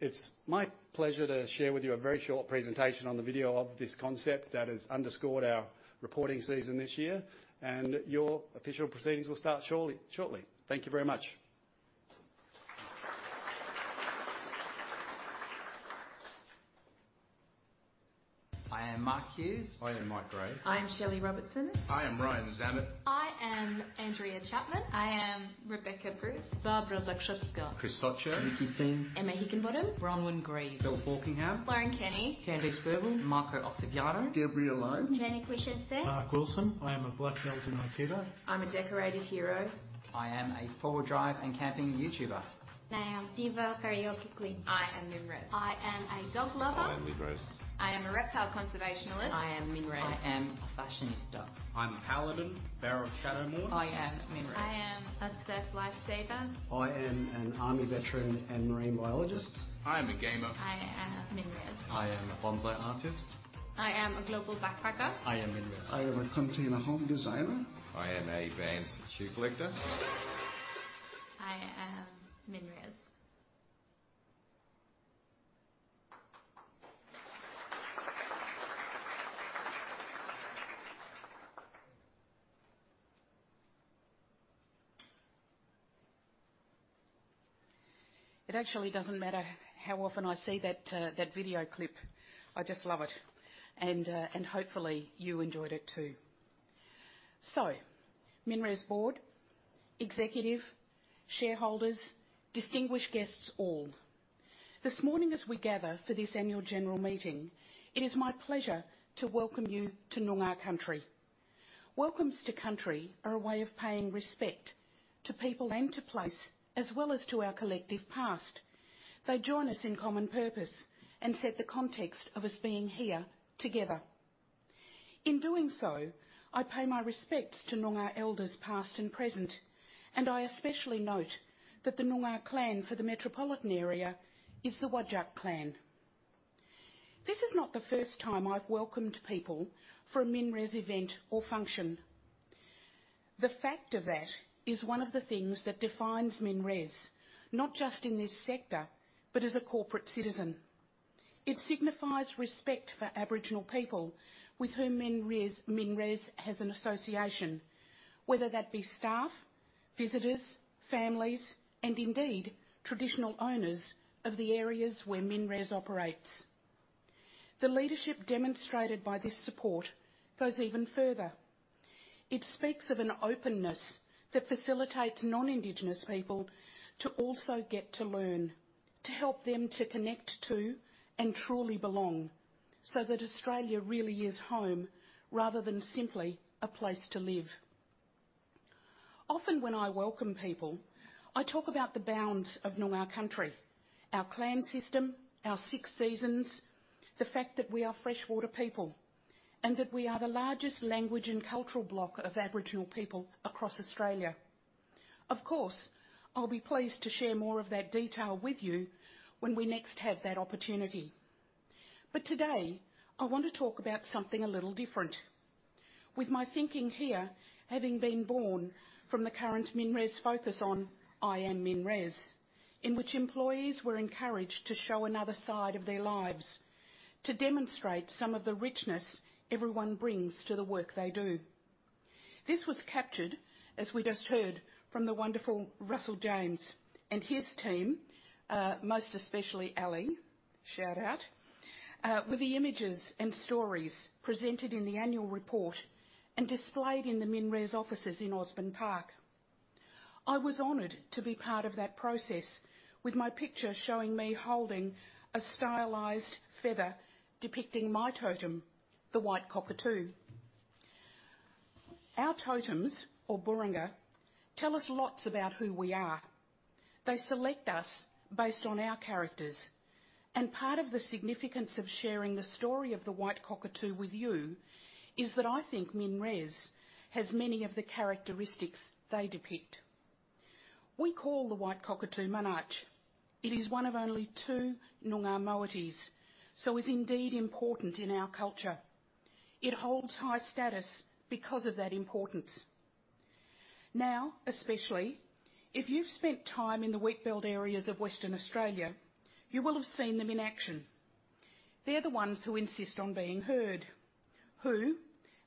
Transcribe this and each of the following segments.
It's my pleasure to share with you a very short presentation on the video of this concept that has underscored our reporting season this year, and your official proceedings will start shortly. Thank you very much. I am Mark Hughes. I am Mike Grey. I am Shelley Robertson. I am Ryan Zammit. I am Andrea Chapman. I am Rebecca Bruce. Barbara Zakrzewska. Chris Soccio. Vicki Tseng. Emma Hickinbottom. Bronwyn Grieve. Phil Falkingham. Lauren Kenny. Candice Gerber. Marco Acciavatti. Gabrielle Lowe. Jane Krzysiec. Mark Wilson. I am a black belt in aikido. I'm a decorated hero. I am a four-wheel drive and camping YouTuber. I am Diva Periodically. I Am MinRes. I am a dog lover. I Am MinRes. I am a reptile conservationist. I am MinRes. I am a fashionista. I'm a paladin, Barrow Shadowmoor. I am MinRes. I am a surf lifesaver. I am an army veteran and marine biologist. I am a gamer. I Am MinRes. I am a bonsai artist. I am a global backpacker. I am MinRes. I am a container home designer. I am a Vans shoe collector. I Am MinRes. It actually doesn't matter how often I see that video clip. I just love it, and hopefully you enjoyed it too. MinRes board, executive, shareholders, distinguished guests all. This morning as we gather for this annual general meeting, it is my pleasure to welcome you to Noongar Country. Welcomes to Country are a way of paying respect to people and to place as well as to our collective past. They join us in common purpose and set the context of us being here together. In doing so, I pay my respects to Noongar elders, past and present, and I especially note that the Noongar clan for the metropolitan area is the Whadjuk clan. This is not the first time I've welcomed people for a MinRes event or function. The fact of that is one of the things that defines MinRes, not just in this sector, but as a corporate citizen. It signifies respect for Aboriginal people with whom MinRes has an association, whether that be staff, visitors, families, and indeed traditional owners of the areas where MinRes operates. The leadership demonstrated by this support goes even further. It speaks of an openness that facilitates non-Indigenous people to also get to learn, to help them to connect to and truly belong, so that Australia really is home rather than simply a place to live. Often when I welcome people, I talk about the bounds of Noongar Country, our clan system, our six seasons, the fact that we are freshwater people, and that we are the largest language and cultural block of Aboriginal people across Australia. Of course, I'll be pleased to share more of that detail with you when we next have that opportunity. Today, I want to talk about something a little different. With my thinking here, having been born from the current MinRes focus on I Am MinRes, in which employees were encouraged to show another side of their lives, to demonstrate some of the richness everyone brings to the work they do. This was captured, as we just heard, from the wonderful Russell James and his team, most especially Ellie, shout out, with the images and stories presented in the annual report and displayed in the MinRes offices in Osborne Park. I was honored to be part of that process with my picture showing me holding a stylized feather depicting my totem, the white cockatoo. Our totems or Burrinja tell us lots about who we are. They select us based on our characters, and part of the significance of sharing the story of the white cockatoo with you is that I think MinRes has many of the characteristics they depict. We call the white cockatoo Manatj. It is one of only two Noongar moieties, so is indeed important in our culture. It holds high status because of that importance. Now, especially, if you've spent time in the wheat belt areas of Western Australia, you will have seen them in action. They are the ones who insist on being heard, who,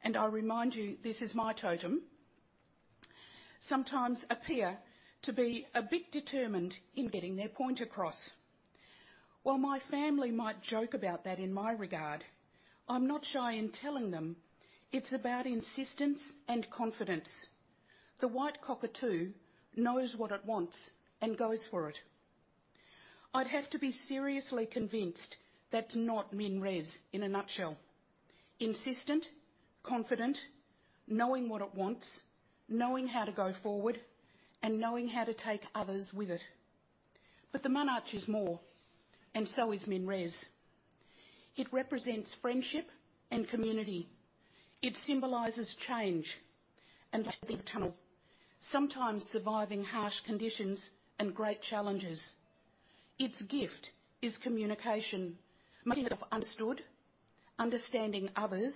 and I remind you, this is my totem, sometimes appear to be a bit determined in getting their point across. While my family might joke about that in my regard, I'm not shy in telling them it's about insistence and confidence. The white cockatoo knows what it wants and goes for it. I'd have to be seriously convinced that's not MinRes in a nutshell. Insistent, confident, knowing what it wants, knowing how to go forward, and knowing how to take others with it. The Manatj is more, and so is MinRes. It represents friendship and community. It symbolizes change and tunnel, sometimes surviving harsh conditions and great challenges. Its gift is communication, understood, understanding others,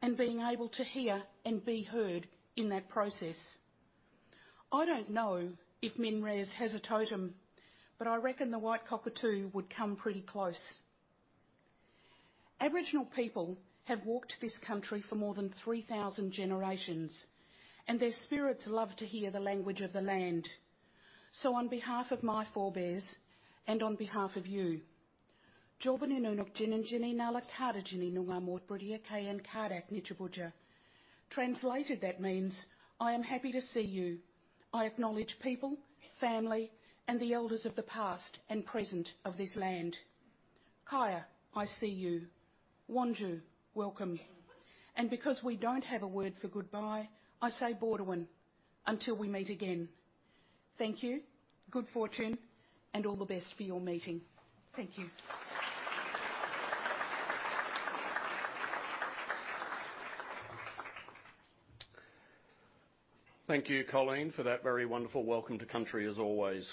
and being able to hear and be heard in that process. I don't know if MinRes has a totem, but I reckon the white cockatoo would come pretty close. Aboriginal people have walked this country for more than 3,000 generations, and their spirits love to hear the language of the land. On behalf of my forebears and on behalf of you, Translated that means, I am happy to see you. I acknowledge people, family, and the elders of the past and present of this land. Kaya, I see you. Wanju, welcome. Because we don't have a word for goodbye, I say borowin, until we meet again. Thank you, good fortune, and all the best for your meeting. Thank you. Thank you, Colleen, for that very wonderful welcome to Country, as always.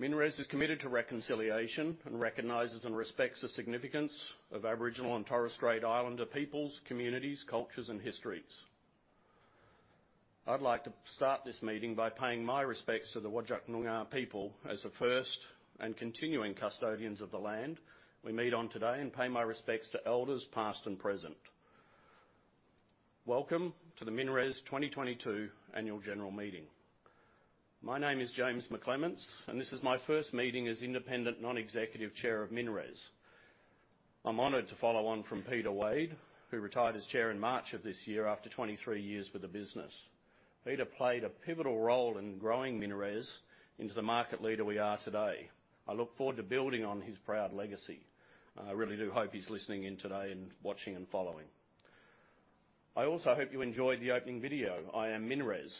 MinRes is committed to reconciliation and recognizes and respects the significance of Aboriginal and Torres Strait Islander peoples, communities, cultures and histories. I'd like to start this meeting by paying my respects to the Whadjuk Noongar people as the first and continuing custodians of the land we meet on today, and pay my respects to elders, past and present. Welcome to the MinRes 2022 annual general meeting. My name is James McClements, and this is my first meeting as Independent Non-Executive Chair of MinRes. I'm honored to follow on from Peter Wade, who retired as Chair in March of this year after 23 years with the business. Peter played a pivotal role in growing MinRes into the market leader we are today. I look forward to building on his proud legacy. I really do hope he's listening in today and watching and following. I also hope you enjoyed the opening video, I Am MinRes.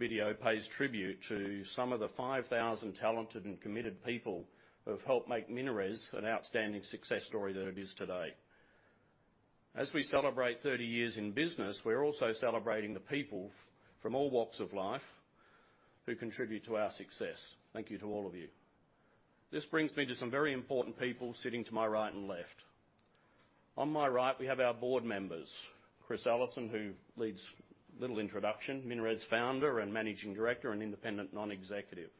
This video pays tribute to some of the 5,000 talented and committed people who have helped make MinRes an outstanding success story that it is today. As we celebrate 30 years in business, we're also celebrating the people from all walks of life who contribute to our success. Thank you to all of you. This brings me to some very important people sitting to my right and left. On my right, we have our board members, Chris Ellison, MinRes founder and Managing Director and independent non-executive.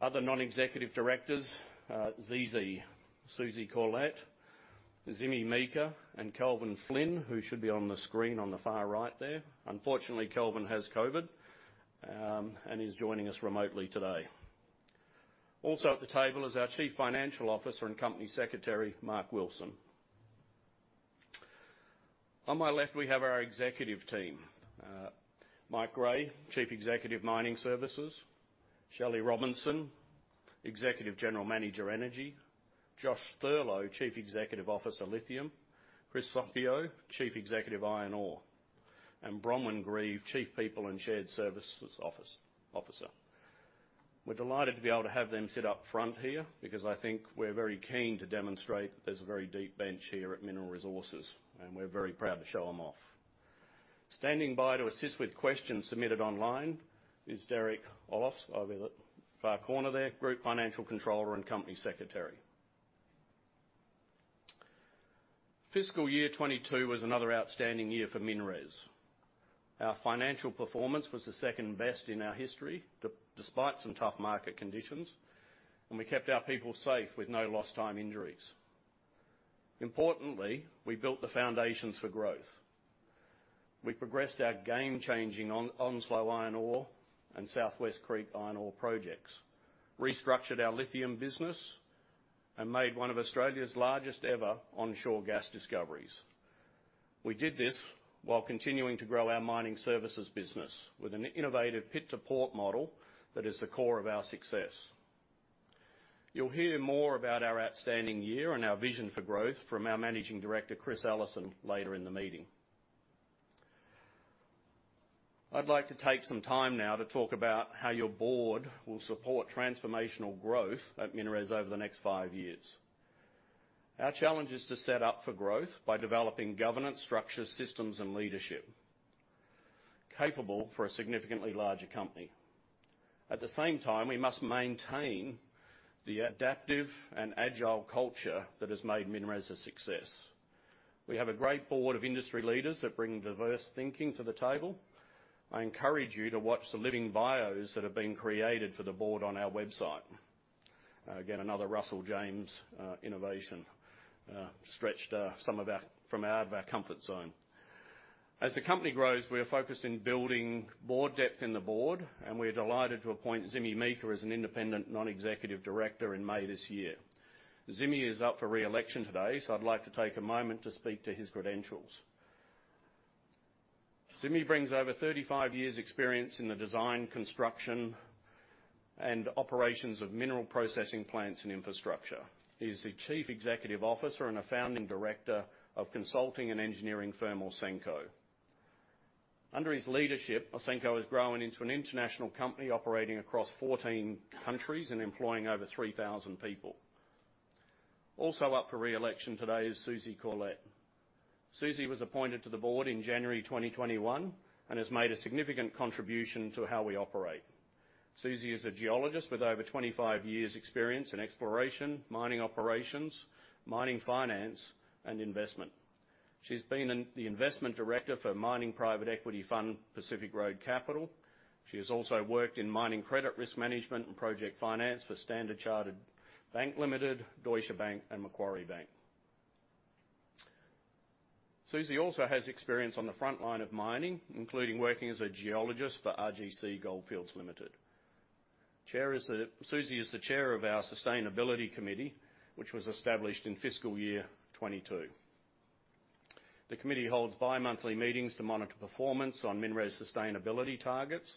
Other non-executive directors are Zimi, Susie Corlett, Zimi Meka, and Kelvin Flynn, who should be on the screen on the far right there. Unfortunately, Kelvin has COVID and is joining us remotely today. Also at the table is our chief financial officer and company secretary, Mark Wilson. On my left, we have our executive team. Mike Grey, Chief Executive, Mining Services, Shelley Robertson, Executive General Manager, Energy, Joshua Thurlow, Chief Executive, Lithium, Chris Soccio, Chief Executive, Iron Ore, and Bronwyn Grieve, Chief People and Shared Services Officer. We're delighted to be able to have them sit up front here because I think we're very keen to demonstrate there's a very deep bench here at Mineral Resources, and we're very proud to show them off. Standing by to assist with questions submitted online is Derek Oelofse over the far corner there, Group Financial Controller and Company Secretary. Fiscal year 2022 was another outstanding year for MinRes. Our financial performance was the second best in our history despite some tough market conditions, and we kept our people safe with no lost time injuries. Importantly, we built the foundations for growth. We progressed our game-changing Onslow Iron and South West Creek iron ore projects, restructured our lithium business and made one of Australia's largest ever onshore gas discoveries. We did this while continuing to grow our mining services business with an innovative pit-to-port model that is the core of our success. You'll hear more about our outstanding year and our vision for growth from our managing director, Chris Ellison, later in the meeting. I'd like to take some time now to talk about how your board will support transformational growth at MinRes over the next five years. Our challenge is to set up for growth by developing governance structures, systems and leadership capable for a significantly larger company. At the same time, we must maintain the adaptive and agile culture that has made MinRes a success. We have a great board of industry leaders that bring diverse thinking to the table. I encourage you to watch the living bios that have been created for the board on our website. Again, another Russell James innovation stretched some of us from out of our comfort zone. As the company grows, we are focused in building more depth in the board, and we're delighted to appoint Zimi Meka as an independent non-executive director in May this year. Zimi is up for re-election today, so I'd like to take a moment to speak to his credentials. Zimi brings over 35 years' experience in the design, construction, and operations of mineral processing plants and infrastructure. He is the Chief Executive Officer and a Founding Director of consulting and engineering firm Ausenco. Under his leadership, Ausenco has grown into an international company operating across 14 countries and employing over 3,000 people. Also up for re-election today is Susie Corlett. Susie was appointed to the board in January 2021 and has made a significant contribution to how we operate. Susie is a geologist with over 25 years' experience in exploration, mining operations, mining finance, and investment. She's been the investment director for mining private equity fund, Pacific Road Capital. She has also worked in mining credit risk management and project finance for Standard Chartered Bank, Deutsche Bank, and Macquarie Bank. Susie also has experience on the front line of mining, including working as a geologist for Renison Goldfields Consolidated. Susie is the chair of our sustainability committee, which was established in fiscal year 2022. The committee holds bimonthly meetings to monitor performance on MinRes sustainability targets,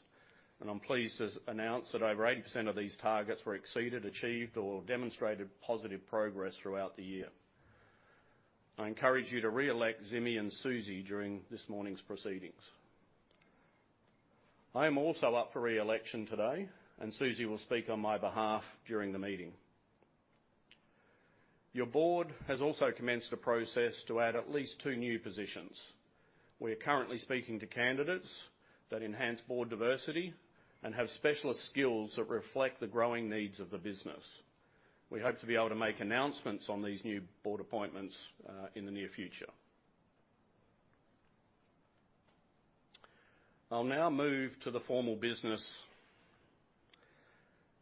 and I'm pleased to announce that over 80% of these targets were exceeded, achieved, or demonstrated positive progress throughout the year. I encourage you to re-elect Zimi and Susie during this morning's proceedings. I am also up for re-election today, and Susie will speak on my behalf during the meeting. Your board has also commenced a process to add at least 2 new positions. We are currently speaking to candidates that enhance board diversity and have specialist skills that reflect the growing needs of the business. We hope to be able to make announcements on these new board appointments in the near future. I'll now move to the formal business.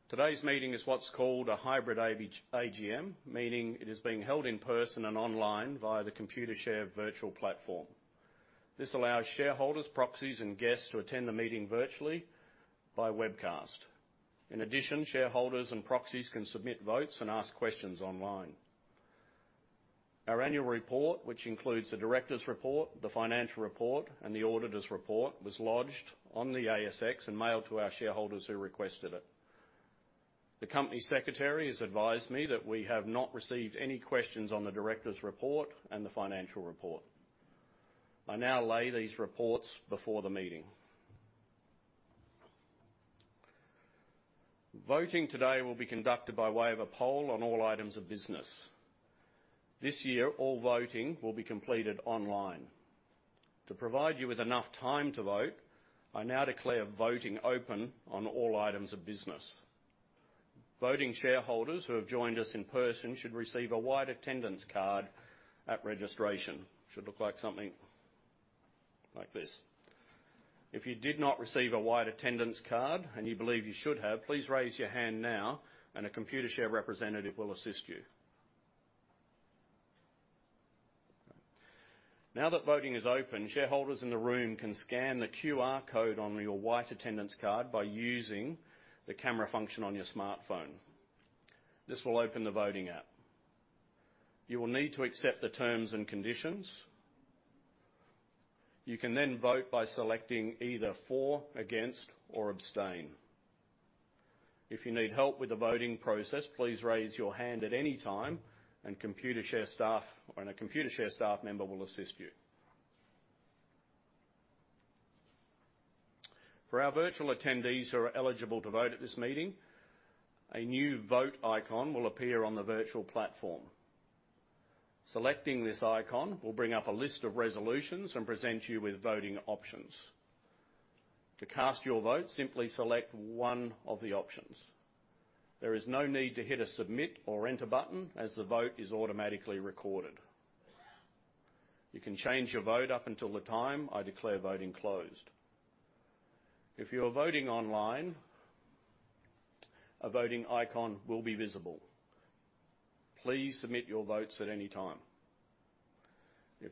Today's meeting is what's called a hybrid AGM, meaning it is being held in person and online via the Computershare virtual platform. This allows shareholders, proxies, and guests to attend the meeting virtually by webcast. In addition, shareholders and proxies can submit votes and ask questions online. Our annual report, which includes the directors' report, the financial report, and the auditors' report, was lodged on the ASX and mailed to our shareholders who requested it. The company secretary has advised me that we have not received any questions on the directors' report and the financial report. I now lay these reports before the meeting. Voting today will be conducted by way of a poll on all items of business. This year, all voting will be completed online. To provide you with enough time to vote, I now declare voting open on all items of business. Voting shareholders who have joined us in person should receive a white attendance card at registration. Should look like something like this. If you did not receive a white attendance card and you believe you should have, please raise your hand now and a Computershare representative will assist you. Now that voting is open, shareholders in the room can scan the QR code on your white attendance card by using the camera function on your smartphone. This will open the voting app. You will need to accept the terms and conditions. You can then vote by selecting either for, against, or abstain. If you need help with the voting process, please raise your hand at any time and a Computershare staff member will assist you. For our virtual attendees who are eligible to vote at this meeting, a new vote icon will appear on the virtual platform. Selecting this icon will bring up a list of resolutions and present you with voting options. To cast your vote, simply select one of the options. There is no need to hit a Submit or Enter button as the vote is automatically recorded. You can change your vote up until the time I declare voting closed. If you are voting online, a voting icon will be visible. Please submit your votes at any time.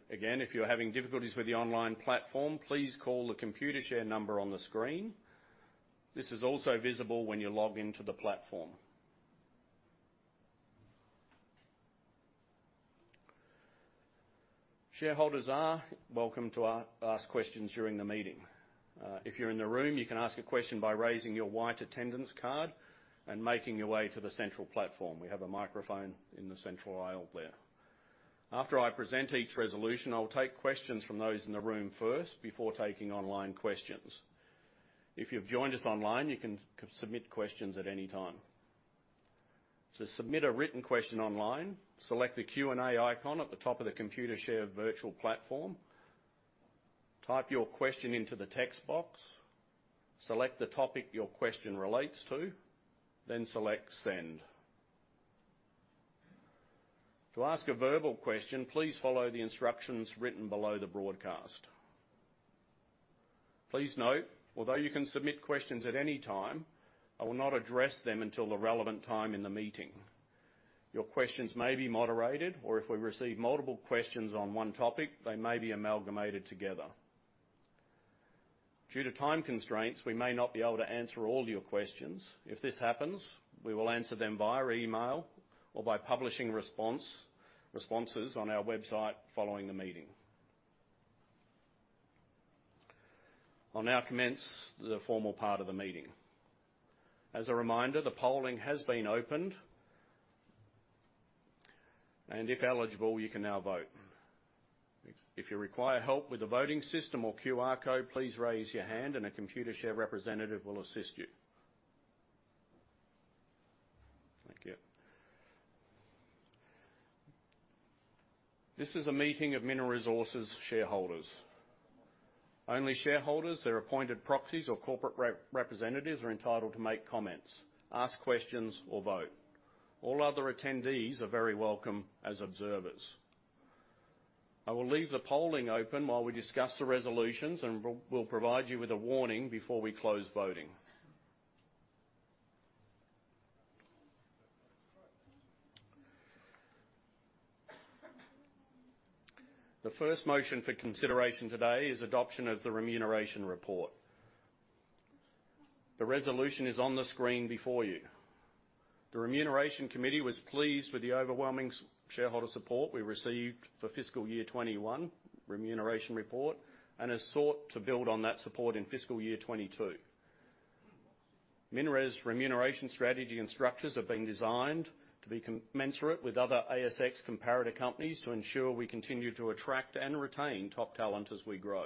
If you're having difficulties with the online platform, please call the Computershare number on the screen. This is also visible when you log into the platform. Shareholders are welcome to ask questions during the meeting. If you're in the room, you can ask a question by raising your white attendance card and making your way to the central platform. We have a microphone in the central aisle there. After I present each resolution, I'll take questions from those in the room first before taking online questions. If you've joined us online, you can submit questions at any time. To submit a written question online, select the Q&A icon at the top of the Computershare virtual platform, type your question into the text box, select the topic your question relates to, then select Send. To ask a verbal question, please follow the instructions written below the broadcast. Please note, although you can submit questions at any time, I will not address them until the relevant time in the meeting. Your questions may be moderated, or if we receive multiple questions on one topic, they may be amalgamated together. Due to time constraints, we may not be able to answer all your questions. If this happens, we will answer them via email or by publishing responses on our website following the meeting. I'll now commence the formal part of the meeting. As a reminder, the polling has been opened. If eligible, you can now vote. If you require help with the voting system or QR code, please raise your hand and a Computershare representative will assist you. Thank you. This is a meeting of Mineral Resources shareholders. Only shareholders or appointed proxies or corporate representatives are entitled to make comments, ask questions, or vote. All other attendees are very welcome as observers. I will leave the polling open while we discuss the resolutions, and we'll provide you with a warning before we close voting. The first motion for consideration today is adoption of the remuneration report. The resolution is on the screen before you. The Remuneration Committee was pleased with the overwhelming shareholder support we received for fiscal year 2021 remuneration report and has sought to build on that support in fiscal year 2022. MinRes remuneration strategy and structures have been designed to be commensurate with other ASX comparator companies to ensure we continue to attract and retain top talent as we grow.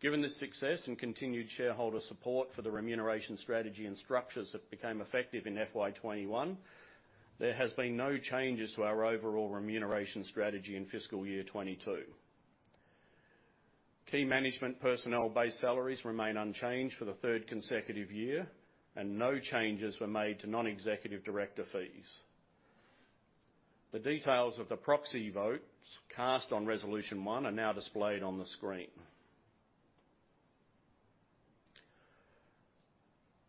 Given the success and continued shareholder support for the remuneration strategy and structures that became effective in FY 2021, there has been no changes to our overall remuneration strategy in fiscal year 2022. Key management personnel base salaries remain unchanged for the third consecutive year, and no changes were made to non-executive director fees. The details of the proxy votes cast on resolution one are now displayed on the screen.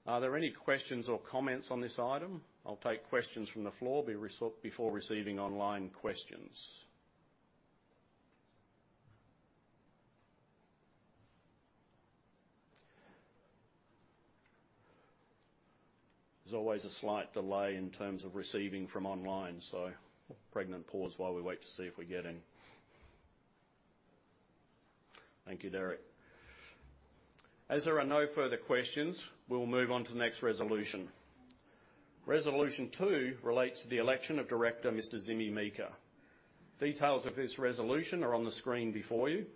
Are there any questions or comments on this item? I'll take questions from the floor before receiving online questions. There's always a slight delay in terms of receiving from online, so pregnant pause while we wait to see if we get any. Thank you, Derek. As there are no further questions, we'll move on to the next resolution. Resolution two relates to the election of Director Mr. Zimi Meka. Details of this resolution are on the screen before you.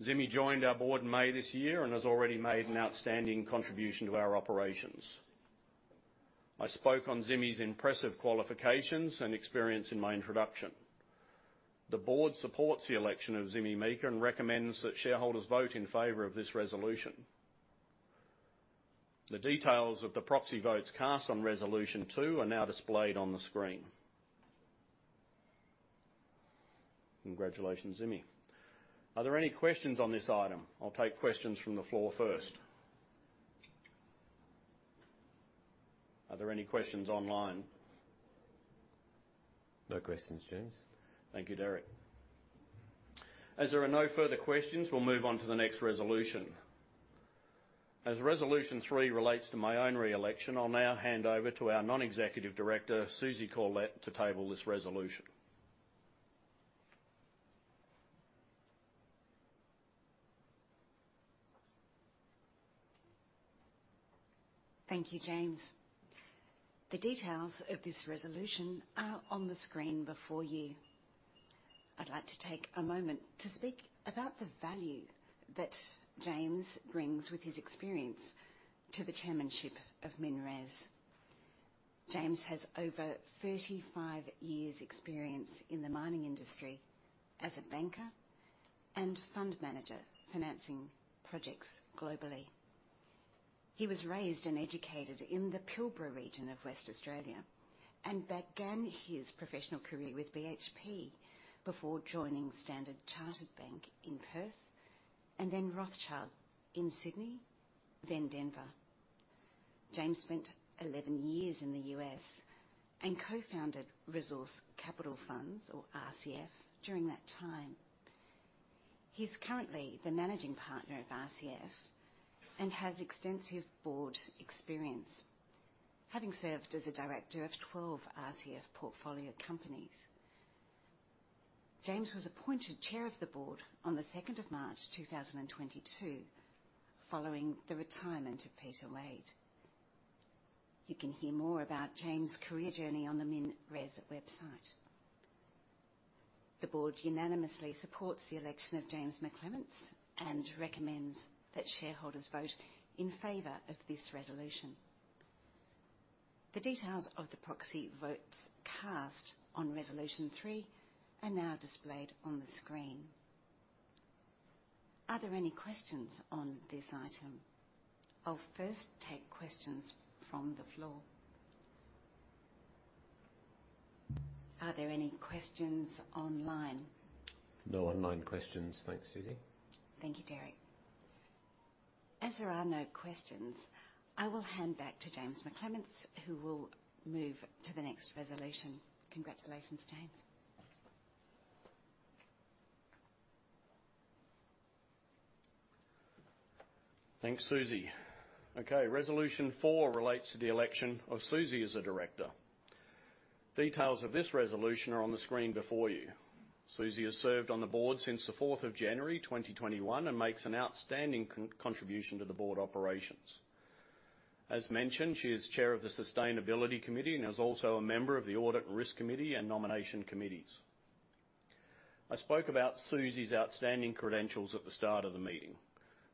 Zimi joined our board in May this year and has already made an outstanding contribution to our operations. I spoke on Zimi's impressive qualifications and experience in my introduction. The board supports the election of Zimi Meka and recommends that shareholders vote in favor of this resolution. The details of the proxy votes cast on resolution two are now displayed on the screen. Congratulations, Zimi. Are there any questions on this item? I'll take questions from the floor first. Are there any questions online? No questions, James. Thank you, Derek. As there are no further questions, we'll move on to the next resolution. As Resolution 3 relates to my own re-election, I'll now hand over to our Non-Executive Director, Susie Corlett, to table this resolution. Thank you, James. The details of this resolution are on the screen before you. I'd like to take a moment to speak about the value that James brings with his experience to the chairmanship of MinRes. James has over 35 years' experience in the mining industry as a banker and fund manager, financing projects globally. He was raised and educated in the Pilbara region of Western Australia and began his professional career with BHP before joining Standard Chartered Bank in Perth and then Rothschild in Sydney, then Denver. James spent 11 years in the US and co-founded Resource Capital Funds, or RCF, during that time. He's currently the managing partner of RCF and has extensive board experience, having served as a director of 12 RCF portfolio companies. James was appointed chair of the board on the second of March 2022, following the retirement of Peter Wade. You can hear more about James's career journey on the MinRes website. The board unanimously supports the election of James McClements and recommends that shareholders vote in favor of this resolution. The details of the proxy votes cast on resolution three are now displayed on the screen. Are there any questions on this item? I'll first take questions from the floor. Are there any questions online? No online questions. Thanks, Susie. Thank you, Derek. As there are no questions, I will hand back to James McClements, who will move to the next resolution. Congratulations, James. Thanks, Susie. Okay. Resolution 4 relates to the election of Susie as a director. Details of this resolution are on the screen before you. Susie has served on the board since the fourth of January, 2021, and makes an outstanding contribution to the board operations. As mentioned, she is chair of the Sustainability Committee and is also a member of the Audit Risk Committee and Nomination Committees. I spoke about Susie's outstanding credentials at the start of the meeting.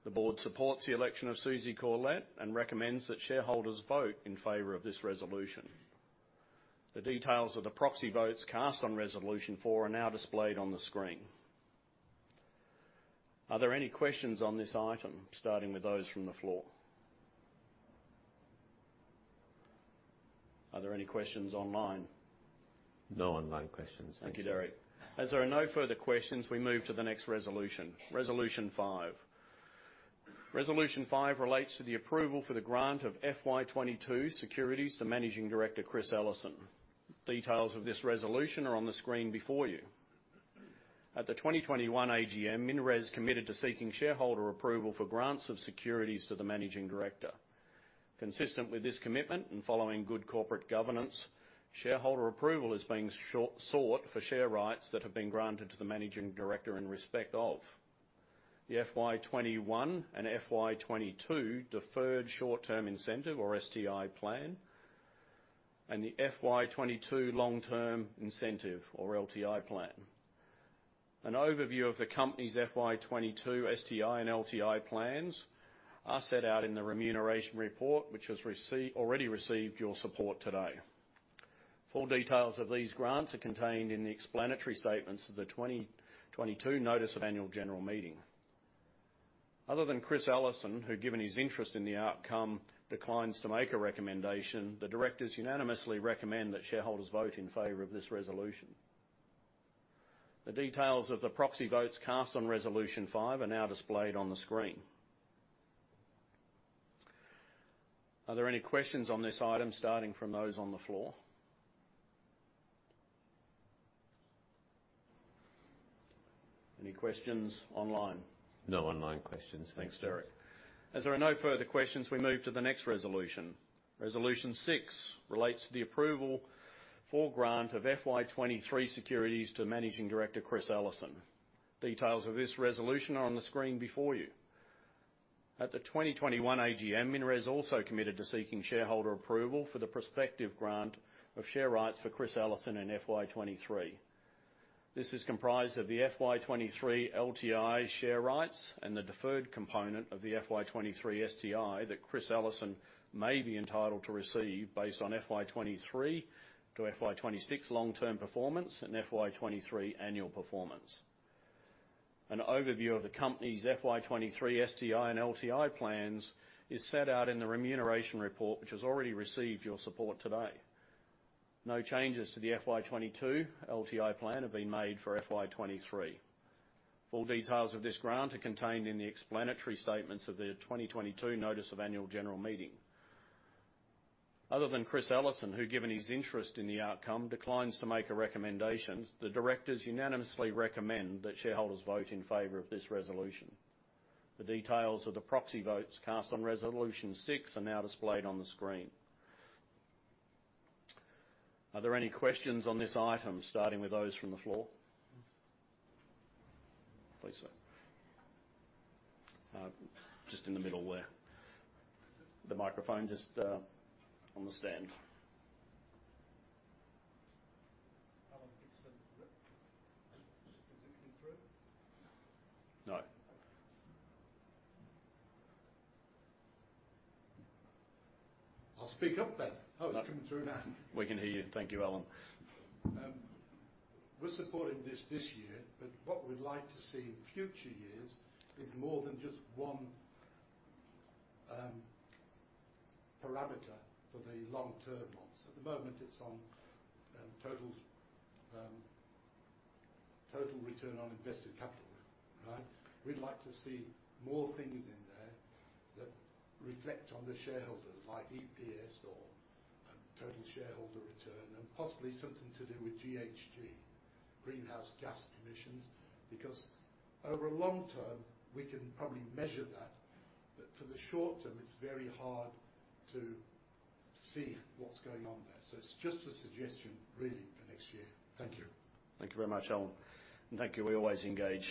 The board supports the election of Susie Corlett and recommends that shareholders vote in favor of this resolution. The details of the proxy votes cast on resolution 4 are now displayed on the screen. Are there any questions on this item, starting with those from the floor? Are there any questions online? No online questions. Thank you. Thanks, Derek. As there are no further questions, we move to the next resolution five. Resolution five relates to the approval for the grant of FY22 securities to Managing Director Chris Ellison. Details of this resolution are on the screen before you. At the 2021 AGM, MinRes committed to seeking shareholder approval for grants of securities to the managing director. Consistent with this commitment and following good corporate governance, shareholder approval is being sought for share rights that have been granted to the managing director in respect of the FY21 and FY22 deferred short-term incentive or STI plan, and the FY22 long-term incentive or LTI plan. An overview of the company's FY22 STI and LTI plans are set out in the remuneration report, which has already received your support today. Full details of these grants are contained in the explanatory statements of the 2022 notice of annual general meeting. Other than Chris Ellison, who, given his interest in the outcome, declines to make a recommendation, the directors unanimously recommend that shareholders vote in favor of this resolution. The details of the proxy votes cast on resolution 5 are now displayed on the screen. Are there any questions on this item starting from those on the floor? Any questions online? No online questions. Thanks, Derek. Thanks, Derek. As there are no further questions, we move to the next resolution. Resolution six relates to the approval for grant of FY23 securities to Managing Director Chris Ellison. Details of this resolution are on the screen before you. At the 2021 AGM, MinRes also committed to seeking shareholder approval for the prospective grant of share rights for Chris Ellison in FY23. This is comprised of the FY23 LTI share rights and the deferred component of the FY23 STI that Chris Ellison may be entitled to receive based on FY23 to FY26 long-term performance and FY23 annual performance. An overview of the company's FY23 STI and LTI plans is set out in the remuneration report, which has already received your support today. No changes to the FY22 LTI plan have been made for FY23. Full details of this grant are contained in the explanatory statements of the 2022 notice of annual general meeting. Other than Chris Ellison, who, given his interest in the outcome, declines to make a recommendation, the directors unanimously recommend that shareholders vote in favor of this resolution. The details of the proxy votes cast on resolution 6 are now displayed on the screen. Are there any questions on this item, starting with those from the floor? Please, sir. Just in the middle there. The microphone just on the stand. Alan Dixon. Is it coming through? No. I'll speak up then. No. Oh, it's coming through now. We can hear you. Thank you, Alan. We're supporting this year, but what we'd like to see in future years is more than just one parameter for the long-term ones. At the moment, it's on total return on invested capital. Right? We'd like to see more things in there that reflect on the shareholders, like EPS or total shareholder return, and possibly something to do with GHG, greenhouse gas emissions, because over a long term, we can probably measure that. For the short term, it's very hard to see what's going on there. It's just a suggestion, really, for next year. Thank you. Thank you very much, Alan. Thank you. We always engage,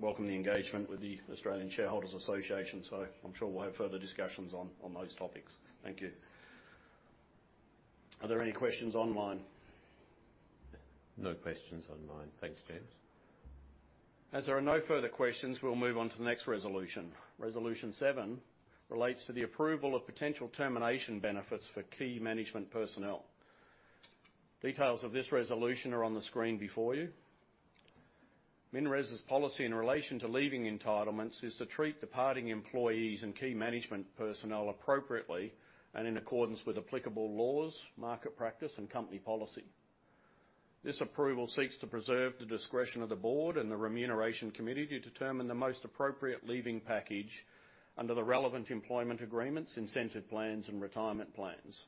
welcome the engagement with the Australian Shareholders' Association, so I'm sure we'll have further discussions on those topics. Thank you. Are there any questions online? No questions online. Thanks, James. As there are no further questions, we'll move on to the next resolution. Resolution seven relates to the approval of potential termination benefits for key management personnel. Details of this resolution are on the screen before you. MinRes' policy in relation to leaving entitlements is to treat departing employees and key management personnel appropriately and in accordance with applicable laws, market practice, and company policy. This approval seeks to preserve the discretion of the board and the Remuneration Committee to determine the most appropriate leaving package under the relevant employment agreements, incentive plans, and retirement plans.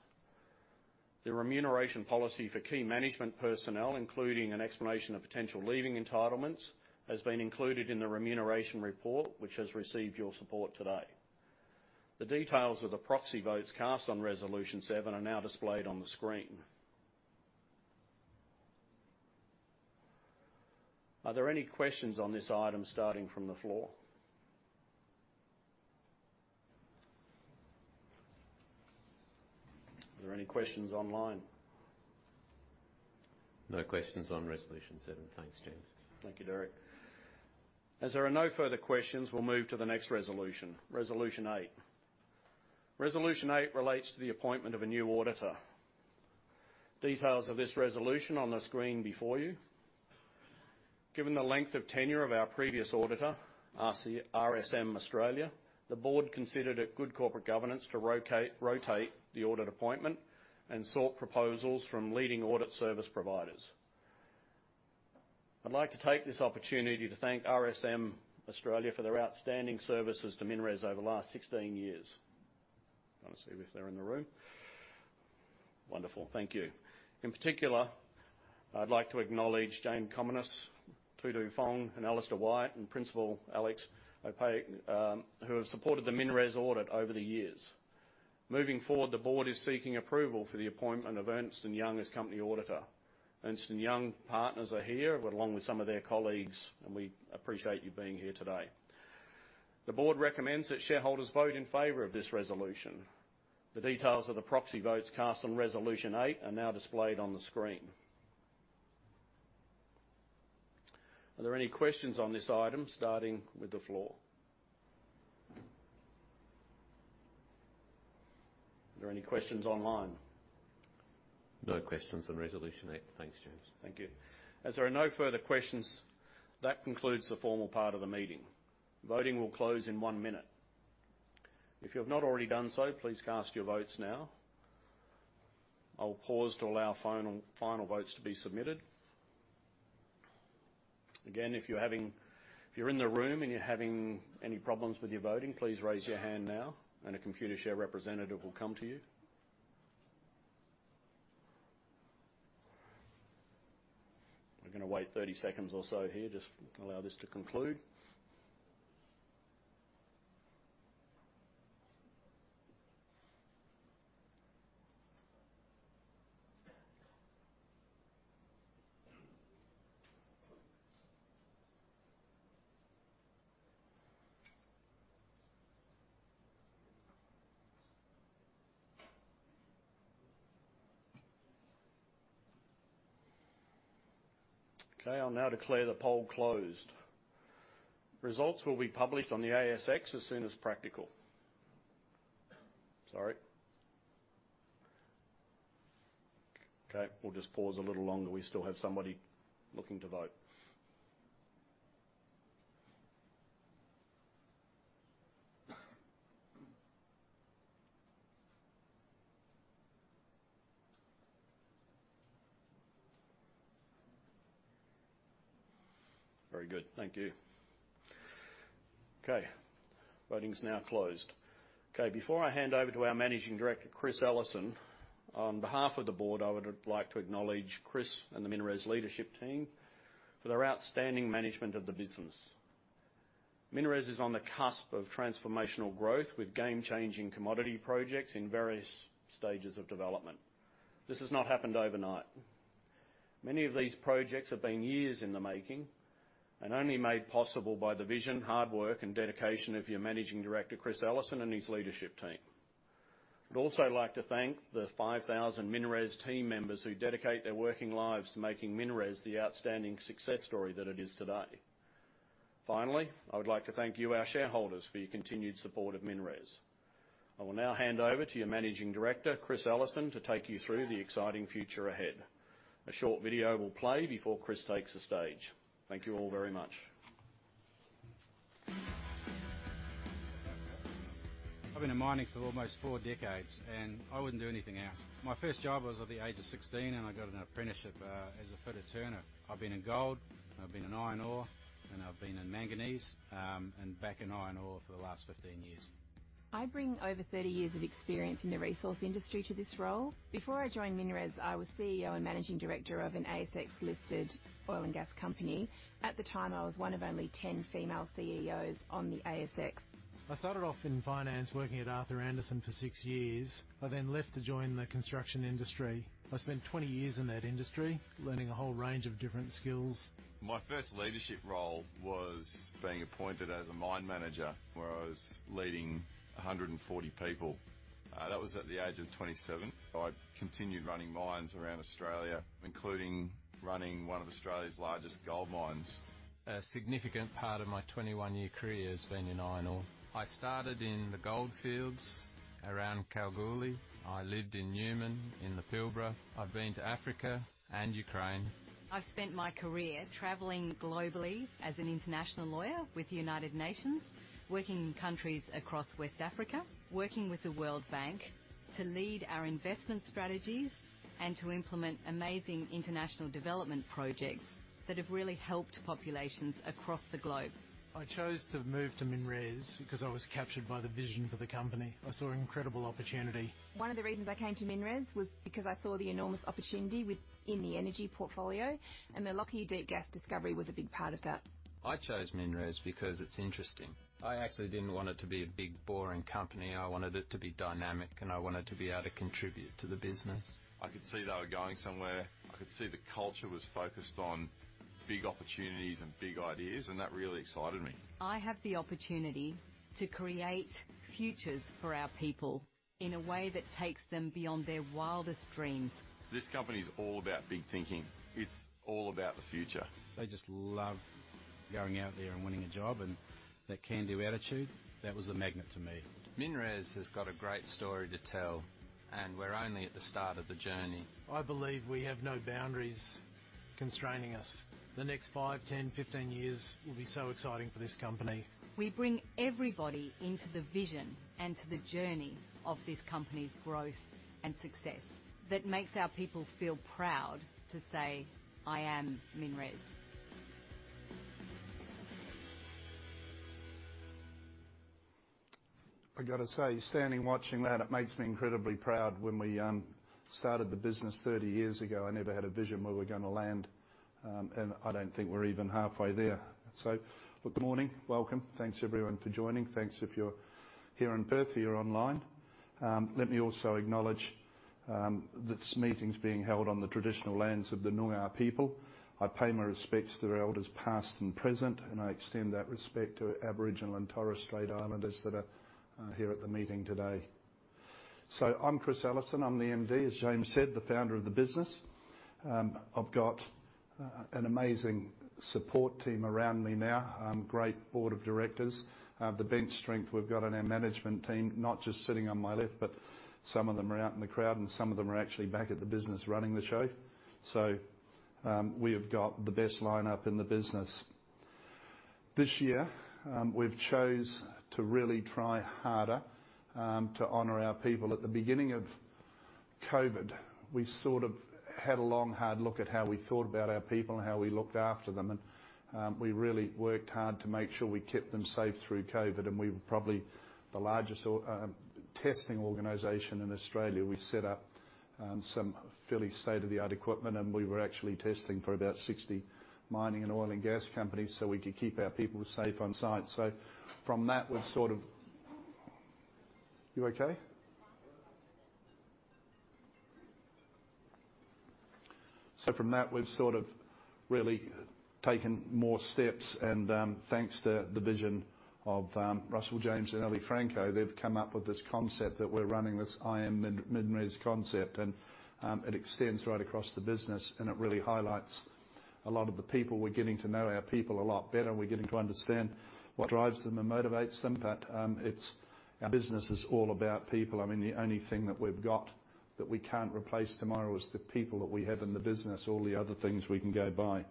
The remuneration policy for key management personnel, including an explanation of potential leaving entitlements, has been included in the remuneration report, which has received your support today. The details of the proxy votes cast on resolution seven are now displayed on the screen. Are there any questions on this item starting from the floor? Are there any questions online? No questions on resolution seven. Thanks, James. Thank you, Derek. As there are no further questions, we'll move to the next resolution. Resolution 8. Resolution 8 relates to the appointment of a new auditor. Details of this resolution on the screen before you. Given the length of tenure of our previous auditor, RSM Australia, the board considered it good corporate governance to rotate the audit appointment and sought proposals from leading audit service providers. I'd like to take this opportunity to thank RSM Australia for their outstanding services to MinRes over the last 16 years. I wanna see if they're in the room. Wonderful, thank you. In particular, I'd like to acknowledge Jane Comina, Tudor Fong and Alasdair Whyte and Principal Alex Ogg, who have supported the MinRes audit over the years. Moving forward, the board is seeking approval for the appointment of Ernst & Young as company auditor. Ernst & Young partners are here, but along with some of their colleagues, and we appreciate you being here today. The board recommends that shareholders vote in favor of this resolution. The details of the proxy votes cast on Resolution eight are now displayed on the screen. Are there any questions on this item starting with the floor? Are there any questions online? No questions on Resolution 8. Thanks, James. Thank you. As there are no further questions, that concludes the formal part of the meeting. Voting will close in 1 minute. If you have not already done so, please cast your votes now. I will pause to allow final votes to be submitted. Again, if you're in the room and you're having any problems with your voting, please raise your hand now and a Computershare representative will come to you. We're gonna wait 30 seconds or so here, just allow this to conclude. Okay, I'll now declare the poll closed. Results will be published on the ASX as soon as practical. Sorry. Okay, we'll just pause a little longer. We still have somebody looking to vote. Very good. Thank you. Okay, voting is now closed. Okay, before I hand over to our Managing Director, Chris Ellison, on behalf of the board, I would like to acknowledge Chris and the MinRes leadership team for their outstanding management of the business. MinRes is on the cusp of transformational growth with game-changing commodity projects in various stages of development. This has not happened overnight. Many of these projects have been years in the making and only made possible by the vision, hard work and dedication of your Managing Director, Chris Ellison and his leadership team. I'd also like to thank the 5,000 MinRes team members who dedicate their working lives to making MinRes the outstanding success story that it is today. Finally, I would like to thank you, our shareholders, for your continued support of MinRes. I will now hand over to your Managing Director, Chris Ellison, to take you through the exciting future ahead. A short video will play before Chris takes the stage. Thank you all very much. I've been in mining for almost four decades, and I wouldn't do anything else. My first job was at the age of 16, and I got an apprenticeship as a fitter turner. I've been in gold, and I've been in iron ore, and I've been in manganese, and back in iron ore for the last 15 years. I bring over 30 years of experience in the resource industry to this role. Before I joined MinRes, I was CEO and Managing Director of an ASX-listed oil and gas company. At the time, I was one of only 10 female CEOs on the ASX. I started off in finance working at Arthur Andersen for six years. I then left to join the construction industry. I spent 20 years in that industry, learning a whole range of different skills. My first leadership role was being appointed as a mine manager, where I was leading 140 people. That was at the age of 27. I continued running mines around Australia, including running one of Australia's largest gold mines. A significant part of my 21-year career has been in iron ore. I started in the gold fields around Kalgoorlie. I lived in Newman, in the Pilbara. I've been to Africa and Ukraine. I've spent my career traveling globally as an international lawyer with the United Nations, working in countries across West Africa, working with the World Bank to lead our investment strategies and to implement amazing international development projects that have really helped populations across the globe. I chose to move to MinRes because I was captured by the vision for the company. I saw an incredible opportunity. One of the reasons I came to MinRes was because I saw the enormous opportunity within the energy portfolio, and the Lockyer Deep gas discovery was a big part of that. I chose MinRes because it's interesting. I actually didn't want it to be a big, boring company. I wanted it to be dynamic, and I wanted to be able to contribute to the business. I could see they were going somewhere. I could see the culture was focused on big opportunities and big ideas, and that really excited me. I have the opportunity to create futures for our people in a way that takes them beyond their wildest dreams. This company is all about big thinking. It's all about the future. They just love going out there and winning a job, and that can-do attitude, that was a magnet to me. MinRes has got a great story to tell, and we're only at the start of the journey. I believe we have no boundaries constraining us. The next five, 10, 15 years will be so exciting for this company. We bring everybody into the vision and to the journey of this company's growth and success that makes our people feel proud to say, "I Am MinRes. I gotta say, standing watching that, it makes me incredibly proud. When we started the business 30 years ago, I never had a vision where we're gonna land, and I don't think we're even halfway there. Good morning, welcome. Thanks everyone for joining. Thanks if you're here in Perth or you're online. Let me also acknowledge this meeting's being held on the traditional lands of the Noongar people. I pay my respects to their elders past and present, and I extend that respect to Aboriginal and Torres Strait Islanders that are here at the meeting today. I'm Chris Ellison. I'm the MD, as James said, the founder of the business. I've got an amazing support team around me now. Great board of directors. The bench strength we've got on our management team, not just sitting on my left, but some of them are out in the crowd, and some of them are actually back at the business running the show. We have got the best lineup in the business. This year, we've chose to really try harder to honor our people. At the beginning of COVID, we sort of had a long, hard look at how we thought about our people and how we looked after them, and we really worked hard to make sure we kept them safe through COVID, and we were probably the largest testing organization in Australia. We set up some fairly state-of-the-art equipment, and we were actually testing for about 60 mining and oil and gas companies so we could keep our people safe on site. From that, we've sort of. You okay? I'm good. From that, we've sort of really taken more steps and, thanks to the vision of Russell James and Chris Ellison, they've come up with this concept that we're running this I Am MinRes concept and, it extends right across the business and it really highlights a lot of the people. We're getting to know our people a lot better and we're getting to understand what drives them and motivates them. It's our business is all about people. I mean, the only thing that we've got that we can't replace tomorrow is the people that we have in the business. All the other things we can go buy.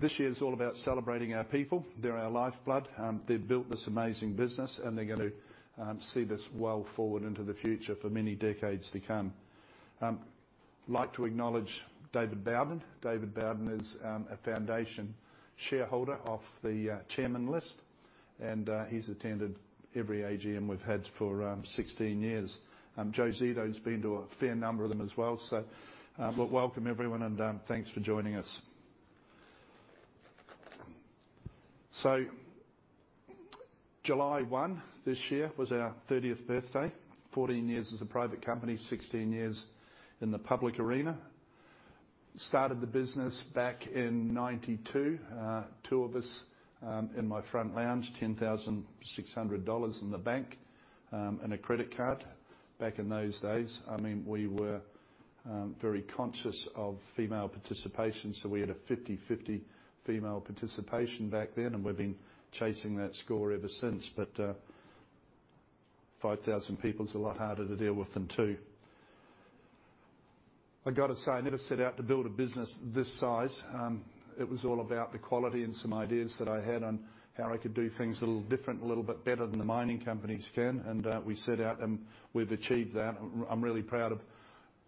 This year is all about celebrating our people. They're our lifeblood. They've built this amazing business and they're gonna see this well forward into the future for many decades to come. Like to acknowledge David Bowden. David Bowden is a foundation shareholder of the chairman list, and he's attended every AGM we've had for 16 years. Joe Zito been to a fair number of them as well. Welcome everyone, and thanks for joining us. July 1 this year was our 30th birthday. 14 years as a private company, 16 years in the public arena. Started the business back in 1992. Two of us in my front lounge, 10,600 dollars in the bank, and a credit card. Back in those days, I mean, we were very conscious of female participation. We had a 50/50 female participation back then and we've been chasing that score ever since. 5,000 people is a lot harder to deal with than two. I gotta say, I never set out to build a business this size. It was all about the quality and some ideas that I had on how I could do things a little different, a little bit better than the mining companies can. We set out and we've achieved that. I'm really proud of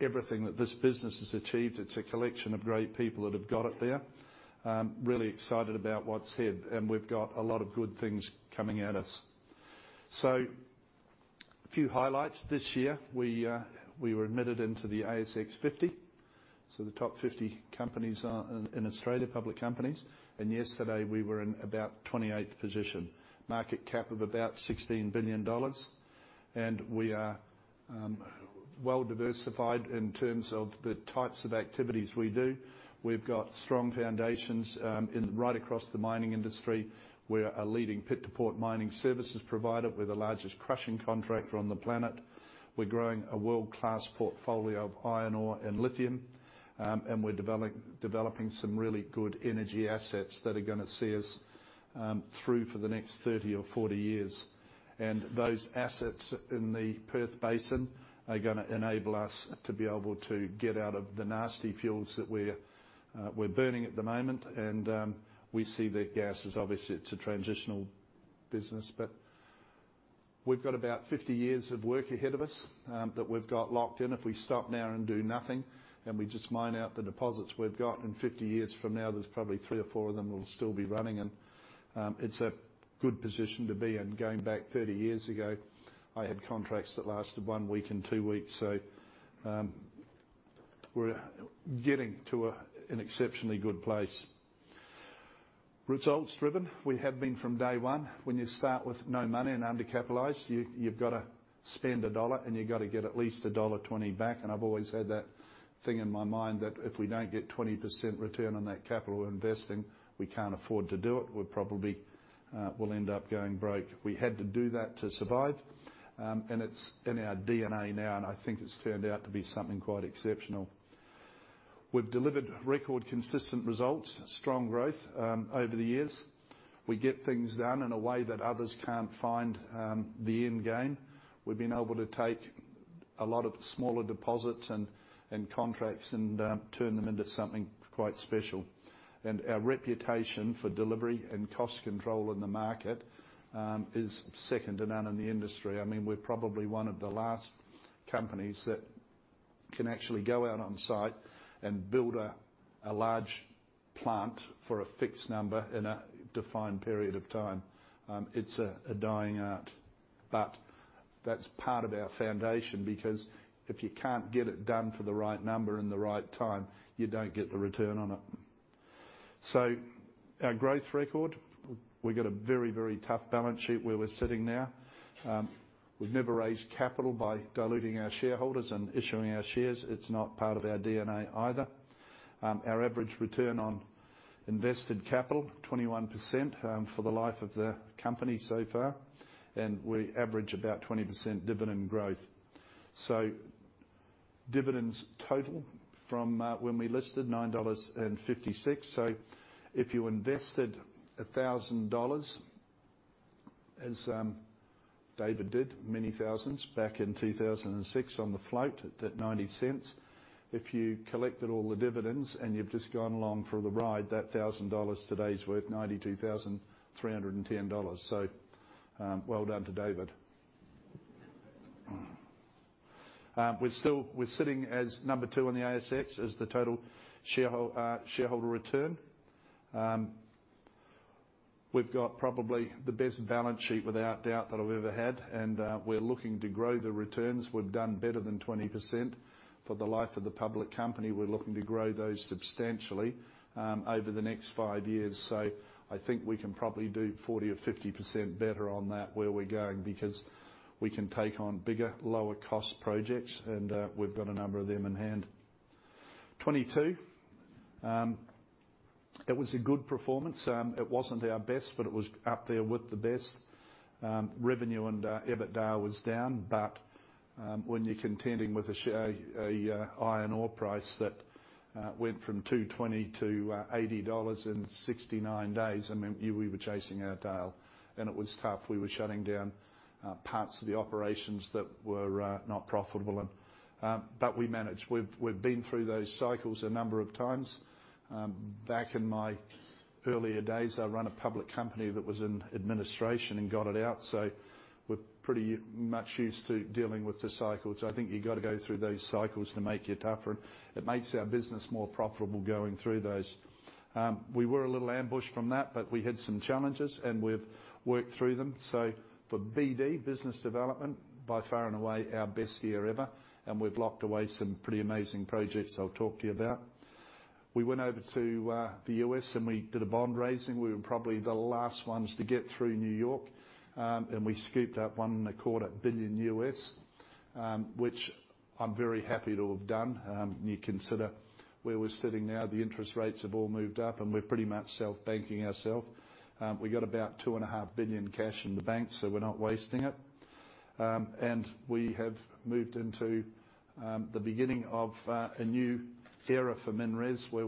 everything that this business has achieved. It's a collection of great people that have got it there. Really excited about what's ahead, and we've got a lot of good things coming at us. A few highlights. This year, we were admitted into the ASX 50, so the top 50 companies in Australia, public companies. Yesterday, we were in about 28th position, market cap of about 16 billion dollars. We are well diversified in terms of the types of activities we do. We've got strong foundations in right across the mining industry. We're a leading pit-to-port mining services provider. We're the largest crushing contractor on the planet. We're growing a world-class portfolio of iron ore and lithium. We're developing some really good energy assets that are gonna see us through for the next 30 or 40 years. Those assets in the Perth Basin are gonna enable us to be able to get out of the nasty fuels that we're burning at the moment. We see that gas is obviously it's a transitional business. We've got about 50 years of work ahead of us that we've got locked in. If we stop now and do nothing, and we just mine out the deposits we've got, and 50 years from now, there's probably three or four of them that will still be running and, it's a good position to be in. Going back 30 years ago, I had contracts that lasted one week and two weeks. We're getting to an exceptionally good place. Results driven. We have been from day one. When you start with no money and under-capitalized, you've gotta spend AUD 1 and you've gotta get at least dollar 1.20 back. I've always had that thing in my mind that if we don't get 20% return on that capital we're investing, we can't afford to do it. We probably will end up going broke. We had to do that to survive. It's in our DNA now, and I think it's turned out to be something quite exceptional. We've delivered record consistent results, strong growth over the years. We get things done in a way that others can't find the end game. We've been able to take a lot of smaller deposits and contracts and turn them into something quite special. Our reputation for delivery and cost control in the market is second to none in the industry. I mean, we're probably one of the last companies that can actually go out on site and build a large plant for a fixed number in a defined period of time. It's a dying art, but that's part of our foundation because if you can't get it done for the right number and the right time, you don't get the return on it. Our growth record, we've got a very, very tough balance sheet where we're sitting now. We've never raised capital by diluting our shareholders and issuing our shares. It's not part of our DNA either. Our average return on invested capital, 21%, for the life of the company so far. We average about 20% dividend growth. Dividends total from when we listed, 9.56 dollars. If you invested 1,000 dollars, as David did, many thousands back in 2006 on the float at 0.90. If you collected all the dividends and you've just gone along for the ride, that 1,000 dollars today is worth 92,310 dollars. Well done to David. We're sitting as number 2 on the ASX as the total shareholder return. We've got probably the best balance sheet without doubt that I've ever had. We're looking to grow the returns. We've done better than 20% for the life of the public company. We're looking to grow those substantially over the next five years. I think we can probably do 40% or 50% better on that where we're going because we can take on bigger, lower cost projects, and we've got a number of them in hand. 2022, it was a good performance. It wasn't our best, but it was up there with the best. Revenue and EBITDA was down. When you're contending with a iron ore price that went from $220 to $80 in 69 days, I mean, we were chasing our tail, and it was tough. We were shutting down parts of the operations that were not profitable, but we managed. We've been through those cycles a number of times. Back in my earlier days, I ran a public company that was in administration and got it out. We're pretty much used to dealing with the cycles. I think you gotta go through those cycles to make you tougher. It makes our business more profitable going through those. We were a little ambushed from that, but we had some challenges, and we've worked through them. For BD, business development, by far and away, our best year ever, and we've locked away some pretty amazing projects I'll talk to you about. We went over to the US, and we did a bond raising. We were probably the last ones to get through New York. We scooped up $1.25 billion, which I'm very happy to have done. You consider where we're sitting now, the interest rates have all moved up, and we're pretty much self-banking ourself. We got about 2.5 billion cash in the bank, so we're not wasting it. We have moved into the beginning of a new era for MinRes, where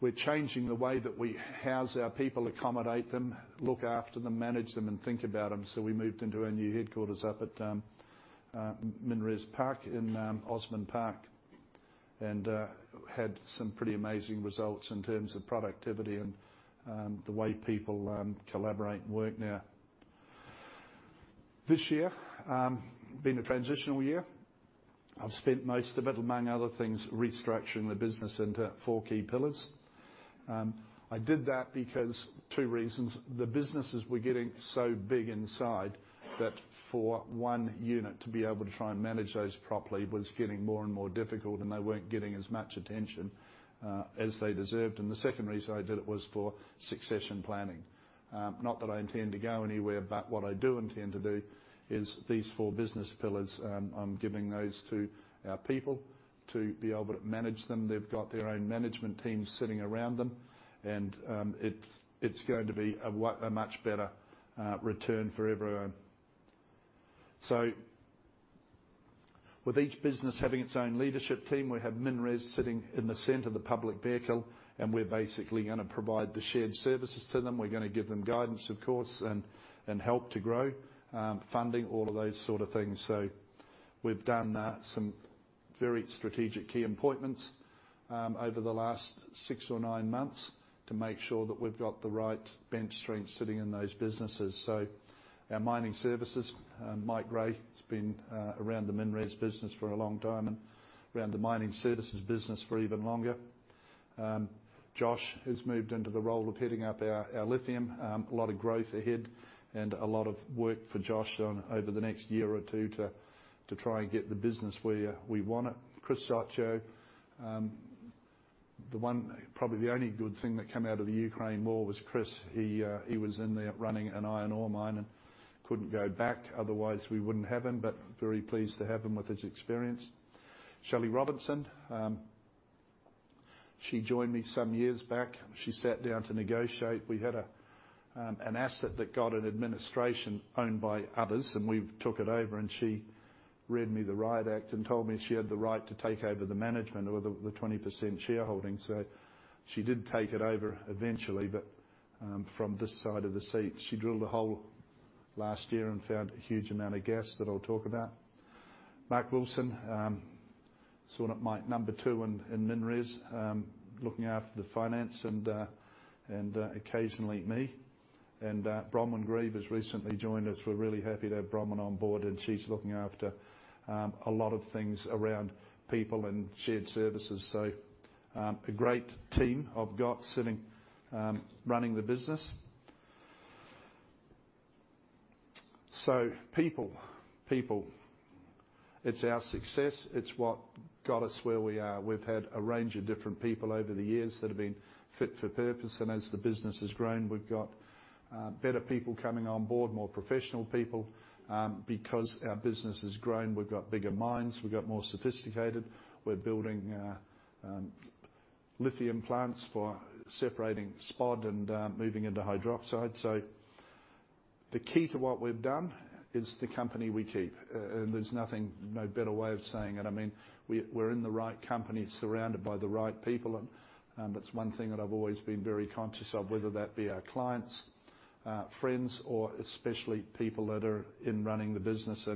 we're changing the way that we house our people, accommodate them, look after them, manage them, and think about them. We moved into our new headquarters up at MinRes Park in Osborne Park. We had some pretty amazing results in terms of productivity and the way people collaborate and work now. This year been a transitional year. I've spent most of it, among other things, restructuring the business into four key pillars. I did that because two reasons. The businesses were getting so big inside that for one unit to be able to try and manage those properly was getting more and more difficult, and they weren't getting as much attention as they deserved. The second reason I did it was for succession planning. Not that I intend to go anywhere, but what I do intend to do is these four business pillars, I'm giving those to our people to be able to manage them. They've got their own management team sitting around them. It's going to be a much better return for everyone. With each business having its own leadership team, we have MinRes sitting in the center of the public vehicle, and we're basically gonna provide the shared services to them. We're gonna give them guidance, of course, and help to grow funding, all of those sort of things. We've done some very strategic key appointments over the last six or nine months to make sure that we've got the right bench strength sitting in those businesses. Our Mining Services, Mike Grey has been around the MinRes business for a long time and around the Mining Services business for even longer. Josh has moved into the role of heading up our lithium. A lot of growth ahead and a lot of work for Josh over the next year or two to try and get the business where we want it. Chris Soccio, probably the only good thing that came out of the Ukraine War was Chris. He was in there running an iron ore mine and couldn't go back. Otherwise, we wouldn't have him, but very pleased to have him with his experience. Shelley Robertson, she joined me some years back. She sat down to negotiate. We had an asset that got into administration owned by others, and we took it over, and she read me the riot act and told me she had the right to take over the management or the 20% shareholding. She did take it over eventually, but from this side of the seat. She drilled a hole last year and found a huge amount of gas that I'll talk about. Mark Wilson, sort of my number two in MinRes, looking after the finance and occasionally me. Bronwyn Grieve has recently joined us. We're really happy to have Bronwyn on board, and she's looking after a lot of things around people and shared services. A great team I've got sitting running the business. People. It's our success. It's what got us where we are. We've had a range of different people over the years that have been fit for purpose, and as the business has grown, we've got better people coming on board, more professional people. Because our business has grown, we've got bigger minds, we've got more sophisticated. We're building lithium plants for separating spod and moving into hydroxide. The key to what we've done is the company we keep. There's nothing, no better way of saying it. We're in the right company, surrounded by the right people, and that's one thing that I've always been very conscious of, whether that be our clients, friends, or especially people that are in running the business.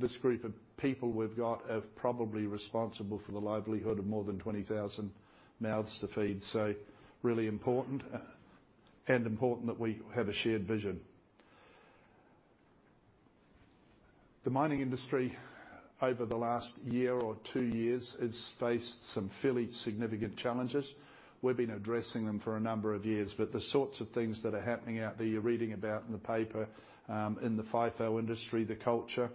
This group of people we've got are probably responsible for the livelihood of more than 20,000 mouths to feed. Really important, and important that we have a shared vision. The mining industry over the last year or two years has faced some fairly significant challenges. We've been addressing them for a number of years, but the sorts of things that are happening out there, you're reading about in the paper, in the FIFO industry, the culture,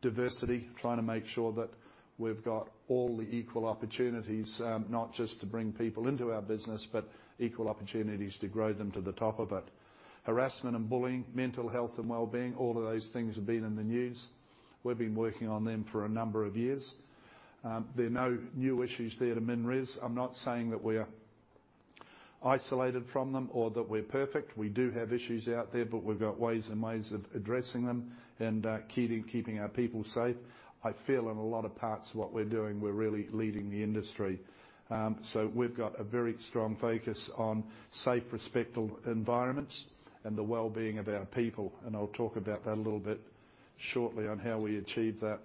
diversity, trying to make sure that we've got all the equal opportunities, not just to bring people into our business, but equal opportunities to grow them to the top of it. Harassment and bullying, mental health and well-being, all of those things have been in the news. We've been working on them for a number of years. There are no new issues there to MinRes. I'm not saying that we're isolated from them or that we're perfect. We do have issues out there, but we've got ways and means of addressing them and, keeping our people safe. I feel in a lot of parts of what we're doing, we're really leading the industry. We've got a very strong focus on safe, respectful environments and the wellbeing of our people. I'll talk about that a little bit shortly on how we achieve that.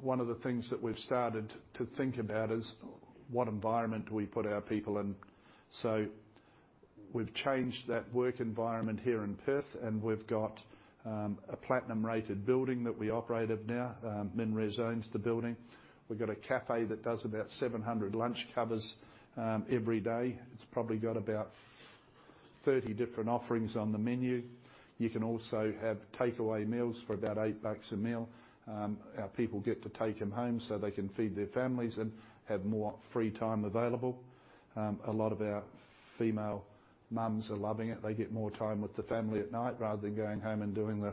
One of the things that we've started to think about is what environment do we put our people in? We've changed that work environment here in Perth, and we've got a platinum-rated building that we operate at now. MinRes owns the building. We've got a cafe that does about 700 lunch covers every day. It's probably got about 30 different offerings on the menu. You can also have takeaway meals for about 8 bucks a meal. Our people get to take them home so they can feed their families and have more free time available. A lot of our female moms are loving it. They get more time with the family at night rather than going home and doing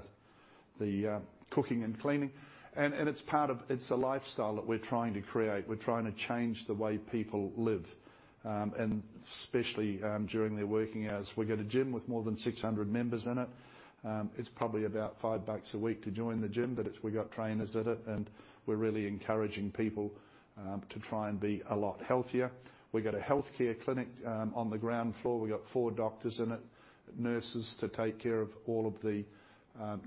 the cooking and cleaning. It's the lifestyle that we're trying to create. We're trying to change the way people live, and especially, during their working hours. We got a gym with more than 600 members in it. It's probably about 5 bucks a week to join the gym, but it's, we got trainers at it, and we're really encouraging people to try and be a lot healthier. We got a healthcare clinic on the ground floor. We got 4 doctors in it, nurses to take care of all of the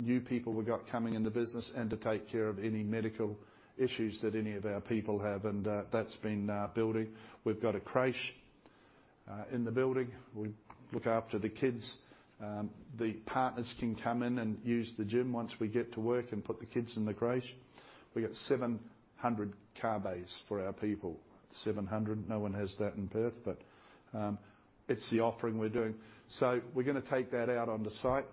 new people we got coming in the business and to take care of any medical issues that any of our people have. That's been our building. We've got a crèche in the building. We look after the kids. The partners can come in and use the gym once we get to work and put the kids in the crèche. We got 700 car bays for our people. 700. No one has that in Perth, but it's the offering we're doing. We're gonna take that out on the site.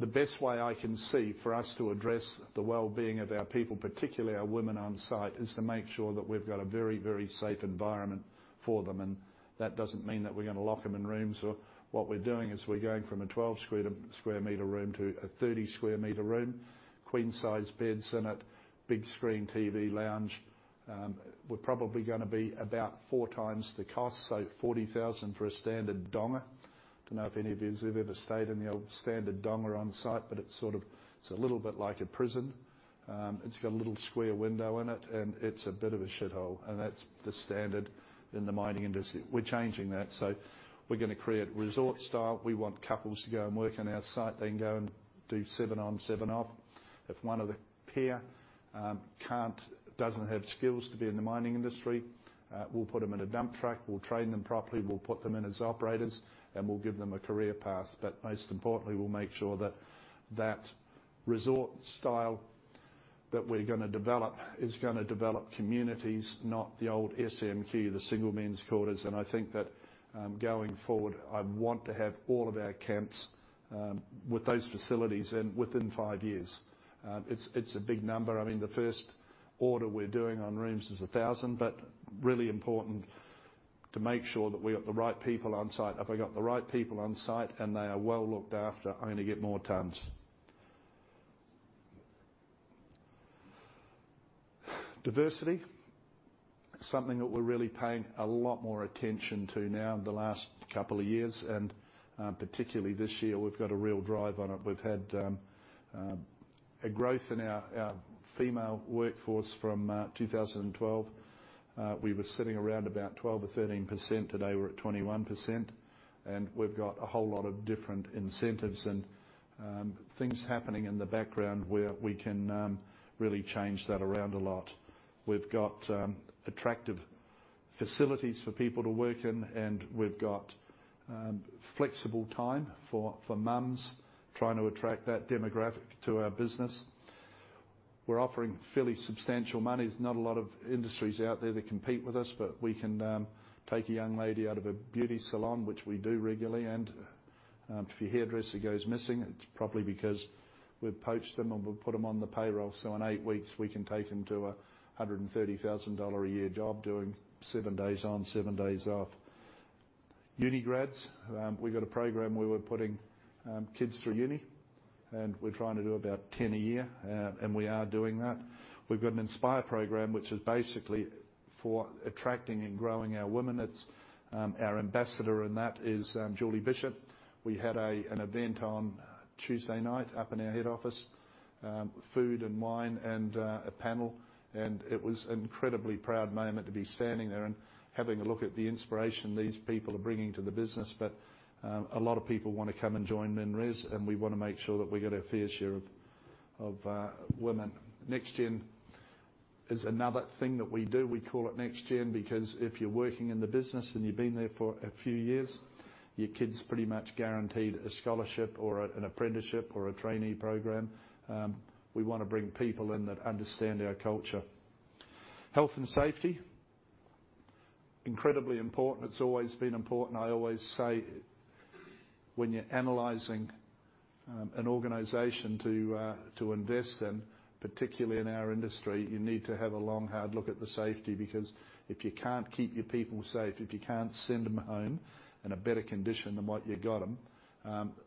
The best way I can see for us to address the wellbeing of our people, particularly our women on site, is to make sure that we've got a very, very safe environment for them. That doesn't mean that we're gonna lock them in rooms. What we're doing is we're going from a 12-square-meter room to a 30-square-meter room, queen-size beds in it, big screen TV, lounge. We're probably gonna be about 4 times the cost, so 40,000 for a standard donga. Don't know if any of yous have ever stayed in the old standard donga on site, but it's sort of, it's a little bit like a prison. It's got a little square window in it, and it's a bit of a shithole. That's the standard in the mining industry. We're changing that. We're gonna create resort style. We want couples to go and work on our site. They can go and do 7 on, 7 off. If one of the pair, can't, doesn't have skills to be in the mining industry, we'll put them in a dump truck, we'll train them properly, we'll put them in as operators, and we'll give them a career path. Most importantly, we'll make sure that that resort style that we're gonna develop is gonna develop communities, not the old SMQ, the single men's quarters. I think that, going forward, I want to have all of our camps, with those facilities and within 5 years. It's a big number. I mean, the first order we're doing on rooms is 1,000, but really important to make sure that we got the right people on site. If I got the right people on site and they are well looked after, I'm gonna get more tons. Diversity. Something that we're really paying a lot more attention to now in the last couple of years, and, particularly this year, we've got a real drive on it. We've had a growth in our female workforce from 2012. We were sitting around about 12 or 13%. Today, we're at 21%. We've got a whole lot of different incentives and things happening in the background, where we can really change that around a lot. We've got attractive facilities for people to work in, and we've got flexible time for moms. Trying to attract that demographic to our business. We're offering fairly substantial money. There's not a lot of industries out there that compete with us, but we can take a young lady out of a beauty salon, which we do regularly. If your hairdresser goes missing, it's probably because we've poached them, and we've put them on the payroll. In eight weeks, we can take them to an AUD 130,000-a-year job doing seven days on, seven days off. Uni grads. We've got a program where we're putting kids through uni, and we're trying to do about 10 a year. We are doing that. We've got an Inspire program, which is basically for attracting and growing our women. It's our ambassador, and that is Julie Bishop. We had an event on Tuesday night up in our head office. Food and wine and a panel, and it was incredibly proud moment to be standing there and having a look at the inspiration these people are bringing to the business. A lot of people wanna come and join MinRes, and we wanna make sure that we get our fair share of women. Next Gen is another thing that we do. We call it Next Gen, because if you're working in the business and you've been there for a few years, your kid's pretty much guaranteed a scholarship or an apprenticeship or a trainee program. We wanna bring people in that understand our culture. Health and safety, incredibly important. It's always been important. I always say when you're analyzing an organization to invest in, particularly in our industry, you need to have a long, hard look at the safety. Because if you can't keep your people safe, if you can't send them home in a better condition than what you got them,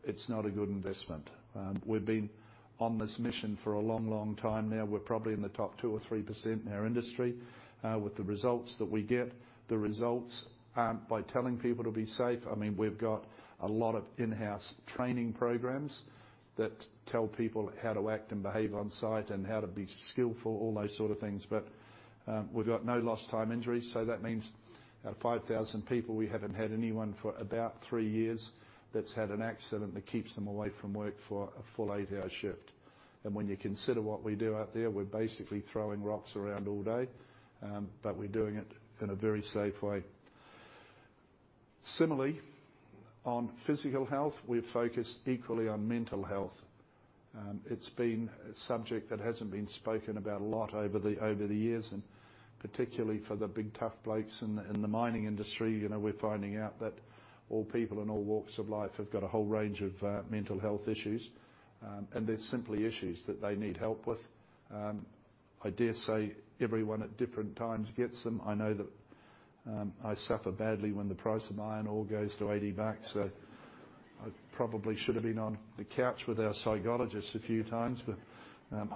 it's not a good investment. We've been on this mission for a long, long time now. We're probably in the top 2% or 3% in our industry with the results that we get. The results aren't by telling people to be safe. I mean, we've got a lot of in-house training programs that tell people how to act and behave on site and how to be skillful, all those sort of things. We've got no lost time injuries, so that means out of 5,000 people, we haven't had anyone for about 3 years that's had an accident that keeps them away from work for a full 8-hour shift. When you consider what we do out there, we're basically throwing rocks around all day. We're doing it in a very safe way. Similarly, on physical health, we're focused equally on mental health. It's been a subject that hasn't been spoken about a lot over the years. Particularly for the big, tough blokes in the mining industry. You know, we're finding out that all people in all walks of life have got a whole range of mental health issues. They're simply issues that they need help with. I dare say everyone at different times gets them. I know that I suffer badly when the price of iron ore goes to $80. I probably should have been on the couch with our psychologist a few times, but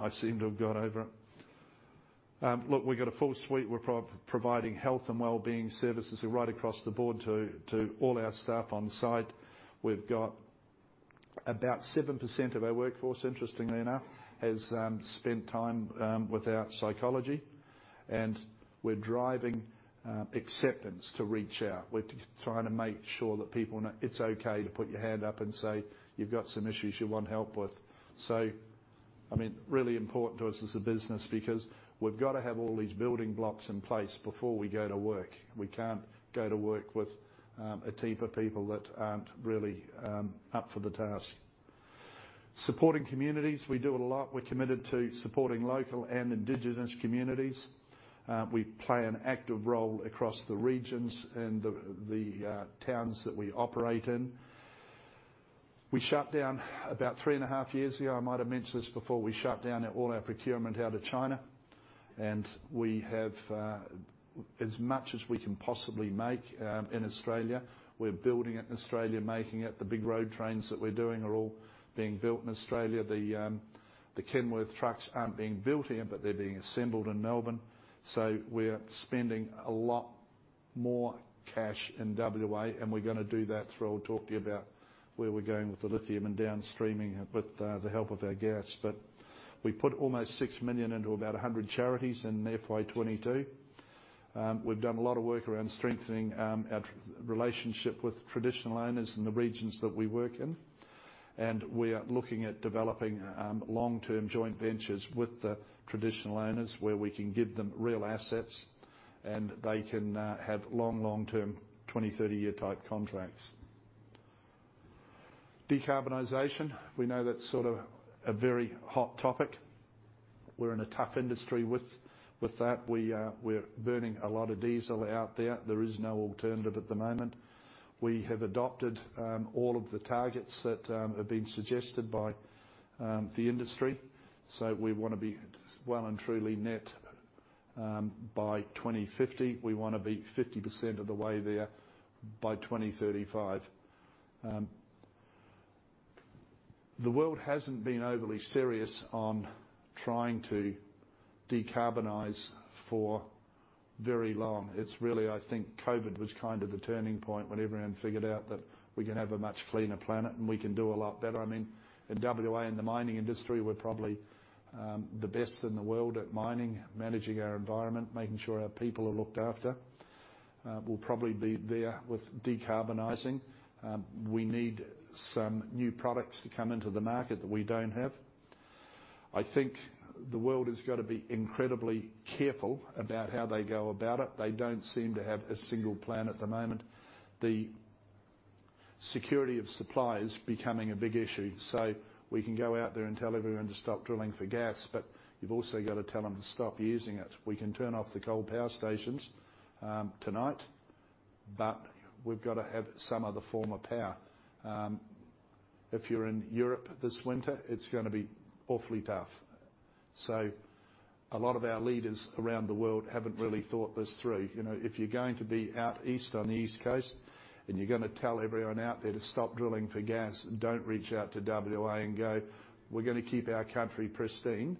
I seem to have got over it. Look, we've got a full suite. We're providing health and wellbeing services right across the board to all our staff on site. We've got about 7% of our workforce, interestingly enough, has spent time with our psychology. We're driving acceptance to reach out. We're trying to make sure that people know it's okay to put your hand up and say, you've got some issues you want help with. I mean, really important to us as a business because we've got to have all these building blocks in place before we go to work. We can't go to work with a team of people that aren't really up for the task. Supporting communities, we do it a lot. We're committed to supporting local and indigenous communities. We play an active role across the regions and the towns that we operate in. We shut down about 3.5 years ago. I might have mentioned this before. We shut down all our procurement out of China. We have as much as we can possibly make in Australia. We're building it in Australia, making it. The big road trains that we're doing are all being built in Australia. The Kenworth trucks aren't being built here, but they're being assembled in Melbourne. We're spending a lot more cash in WA, and we're gonna do that through. I'll talk to you about where we're going with the lithium and downstreaming it with the help of our gas. We put almost 6 million into about 100 charities in FY 2022. We've done a lot of work around strengthening our relationship with traditional owners in the regions that we work in. We are looking at developing long-term joint ventures with the traditional owners where we can give them real assets. They can have long-term, 20-, 30-year type contracts. Decarbonization. We know that's sort of a very hot topic. We're in a tough industry with that. We're burning a lot of diesel out there. There is no alternative at the moment. We have adopted all of the targets that are being suggested by the industry. We wanna be well and truly net zero by 2050, we wanna be 50% of the way there by 2035. The world hasn't been overly serious on trying to decarbonize for very long. It's really, I think COVID was kind of the turning point when everyone figured out that we can have a much cleaner planet, and we can do a lot better. I mean, at WA, in the mining industry, we're probably the best in the world at mining, managing our environment, making sure our people are looked after. We'll probably be there with decarbonizing. We need some new products to come into the market that we don't have. I think the world has gotta be incredibly careful about how they go about it. They don't seem to have a single plan at the moment. The security of supply is becoming a big issue. We can go out there and tell everyone to stop drilling for gas, but you've also gotta tell them to stop using it. We can turn off the coal power stations, tonight, but we've gotta have some other form of power. If you're in Europe this winter, it's gonna be awfully tough. A lot of our leaders around the world haven't really thought this through. You know, if you're going to be out east on the East Coast, and you're gonna tell everyone out there to stop drilling for gas and don't reach out to WA and go, "We're gonna keep our country pristine,"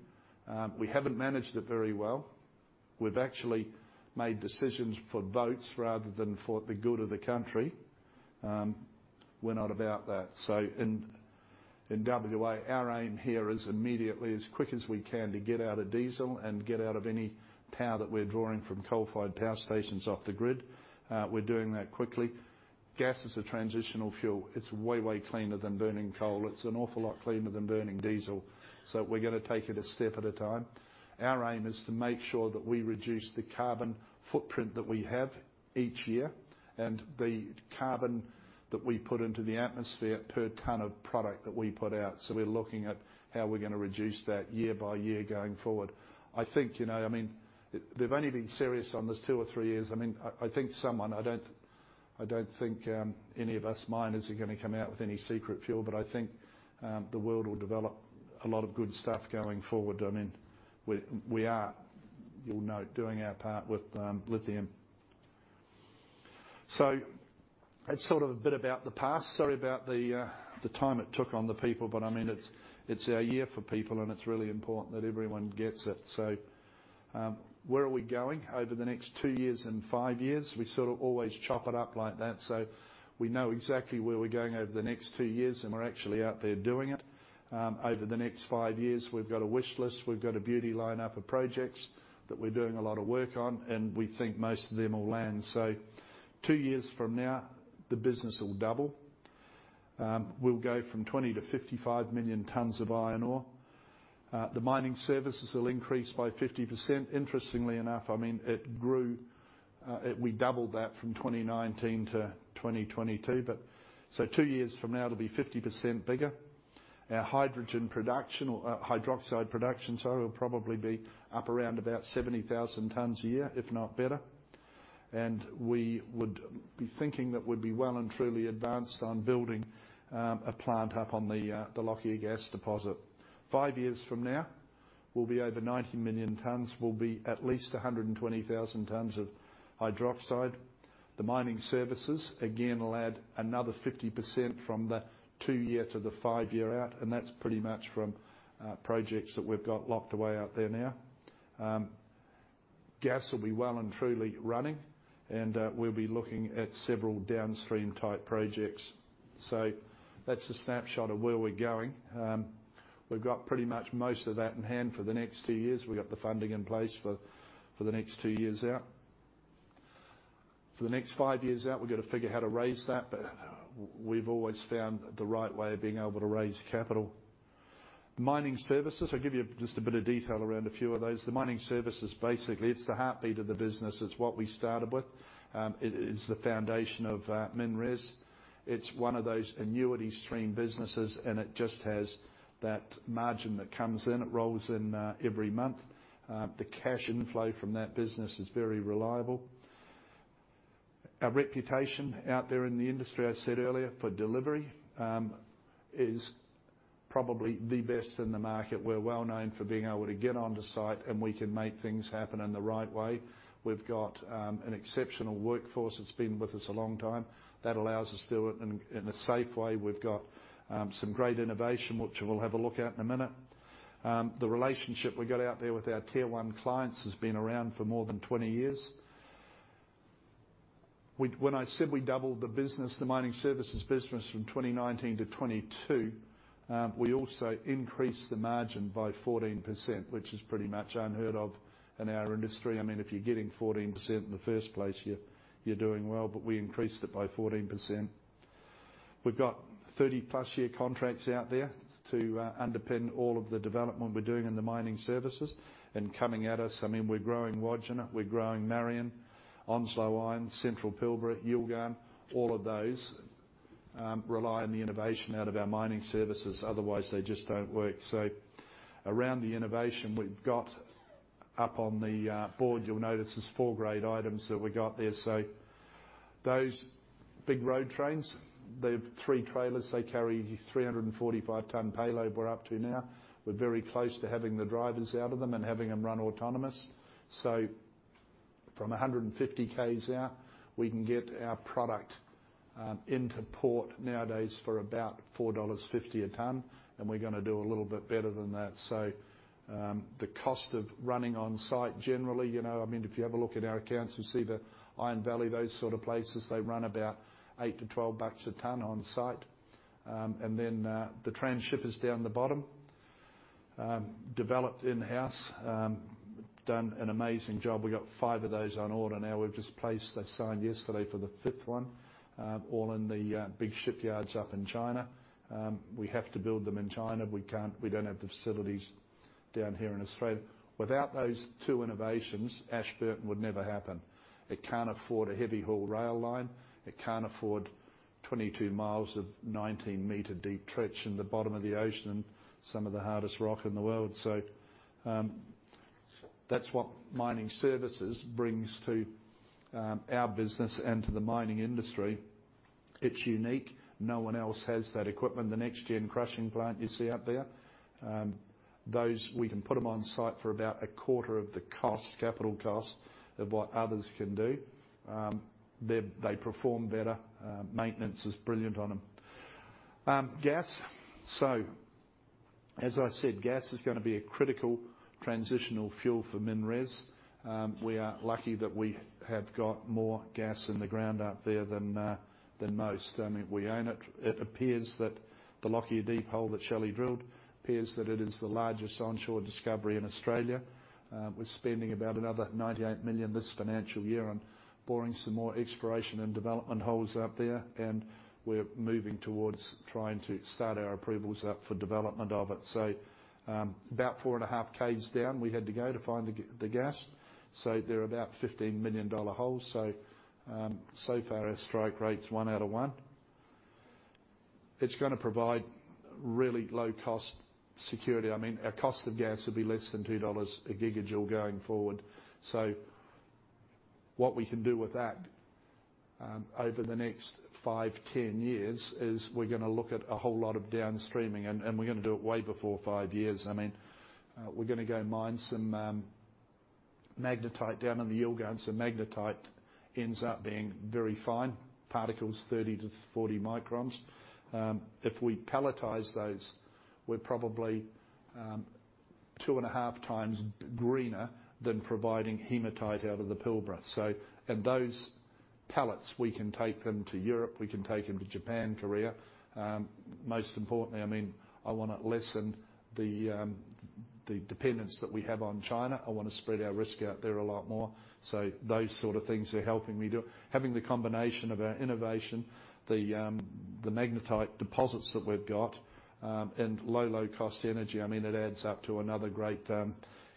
we haven't managed it very well. We've actually made decisions for votes rather than for the good of the country. We're not about that. In WA, our aim here is immediately, as quick as we can, to get out of diesel and get out of any power that we're drawing from coal-fired power stations off the grid. We're doing that quickly. Gas is a transitional fuel. It's way cleaner than burning coal. It's an awful lot cleaner than burning diesel, so we're gonna take it a step at a time. Our aim is to make sure that we reduce the carbon footprint that we have each year and the carbon that we put into the atmosphere per ton of product that we put out, so we're looking at how we're gonna reduce that year by year going forward. I think, you know, I mean, they've only been serious on this two or three years. I don't think any of us miners are gonna come out with any secret fuel, but I think the world will develop a lot of good stuff going forward. I mean, we are, you'll note, doing our part with lithium. That's sort of a bit about the past. Sorry about the time it took on the people, but I mean, it's our year for people, and it's really important that everyone gets it. Where are we going over the next two years and five years? We sort of always chop it up like that, so we know exactly where we're going over the next two years, and we're actually out there doing it. Over the next five years, we've got a wish list. We've got a beauty lineup of projects that we're doing a lot of work on, and we think most of them will land. Two years from now, the business will double. We'll go from 20-55 million tons of iron ore. The Mining Services will increase by 50%. Interestingly enough, I mean, it grew, we doubled that from 2019 to 2022, but so 2 years from now, it'll be 50% bigger. Our hydrogen production or hydroxide production, so it'll probably be up around about 70,000 tons a year, if not better. We would be thinking that we'd be well and truly advanced on building a plant up on the Lockyer gas deposit. Five years from now, we'll be over 90 million tons. We'll be at least 120,000 tons of hydroxide. The mining services, again, will add another 50% from the 2-year to the 5-year out, and that's pretty much from projects that we've got locked away out there now. Gas will be well and truly running, and we'll be looking at several downstream-type projects. That's a snapshot of where we're going. We've got pretty much most of that in hand for the next two years. We've got the funding in place for the next two years out. For the next five years out, we've gotta figure how to raise that, but we've always found the right way of being able to raise capital. Mining Services, I'll give you just a bit of detail around a few of those. The Mining Services, basically, it's the heartbeat of the business. It's what we started with. It is the foundation of MinRes. It's one of those annuity stream businesses, and it just has that margin that comes in. It rolls in every month. The cash inflow from that business is very reliable. Our reputation out there in the industry, I said earlier, for delivery, is probably the best in the market. We're well known for being able to get onto site, and we can make things happen in the right way. We've got an exceptional workforce that's been with us a long time. That allows us to do it in a safe way. We've got some great innovation, which we'll have a look at in a minute. The relationship we got out there with our tier one clients has been around for more than 20 years. When I said we doubled the business, the mining services business from 2019 to 2022, we also increased the margin by 14%, which is pretty much unheard of in our industry. I mean, if you're getting 14% in the first place, you're doing well, but we increased it by 14%. We've got 30+ year contracts out there to underpin all of the development we're doing in the mining services. Coming at us, I mean, we're growing Wodgina, we're growing Mount Marion, Onslow Iron, Central Pilbara, Yilgarn. All of those rely on the innovation out of our mining services. Otherwise, they just don't work. Around the innovation, we've got up on the board, you'll notice there's four great items that we got there. Those big road trains, they have 3 trailers. They carry 345-ton payload we're up to now. We're very close to having the drivers out of them and having them run autonomous. From 150 Ks out, we can get our product into port nowadays for about 4.50 dollars a ton, and we're gonna do a little bit better than that. The cost of running on site generally, you know, I mean, if you have a look at our accounts, you'll see that Iron Valley, those sort of places, they run about 8 to 12 bucks per ton on site. Then the transship is down the bottom. Developed in-house. Done an amazing job. We got 5 of those on order now. They've signed yesterday for the fifth one, all in the big shipyards up in China. We have to build them in China. We don't have the facilities down here in Australia. Without those two innovations, Ashburton would never happen. It can't afford a heavy-haul rail line. It can't afford 22 miles of 19-meter deep trench in the bottom of the ocean and some of the hardest rock in the world. That's what Mining Services brings to our business and to the mining industry. It's unique. No one else has that equipment. The next-gen crushing plant you see out there, those, we can put them on-site for about a quarter of the cost, capital cost, of what others can do. They perform better. Maintenance is brilliant on them. Gas. As I said, gas is gonna be a critical transitional fuel for MinRes. We are lucky that we have got more gas in the ground out there than most. I mean, we own it. It appears that the Lockyer Deep hole that Shelley drilled is the largest onshore discovery in Australia. We're spending about another 98 million this financial year on boring some more exploration and development holes out there, and we're moving towards trying to start our approvals out for development of it. About 4.5 Ks down, we had to go to find the gas. They're about 15 million dollar holes. So far our strike rate's one out of one. It's gonna provide really low cost security. I mean, our cost of gas will be less than 2 dollars a gigajoule going forward. What we can do with that, over the next 5, 10 years is we're gonna look at a whole lot of downstreaming, and we're gonna do it way before 5 years. I mean, we're gonna go mine some magnetite down in the Yilgarn. Magnetite ends up being very fine particles, 30-40 microns. If we pelletize those, we're probably 2.5 times greener than providing hematite out of the Pilbara. Those pellets, we can take them to Europe. We can take them to Japan, Korea. Most importantly, I mean, I wanna lessen the dependence that we have on China. I wanna spread our risk out there a lot more. Those sort of things are helping me do it. Having the combination of our innovation, the magnetite deposits that we've got, and low cost energy, I mean, it adds up to another great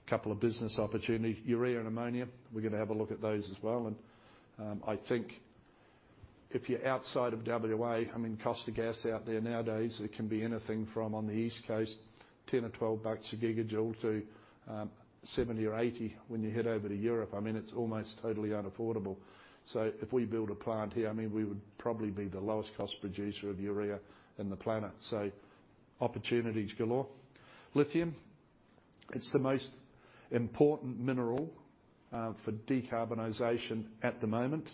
couple of business opportunities. Urea and ammonia, we're gonna have a look at those as well. I think if you're outside of WA, I mean, cost of gas out there nowadays, it can be anything from, on the East Coast, 10 or 12 bucks a gigajoule to, 70 or 80 when you head over to Europe. I mean, it's almost totally unaffordable. So if we build a plant here, I mean, we would probably be the lowest cost producer of urea on the planet. So opportunities galore. Lithium. It's the most important mineral for decarbonization at the moment.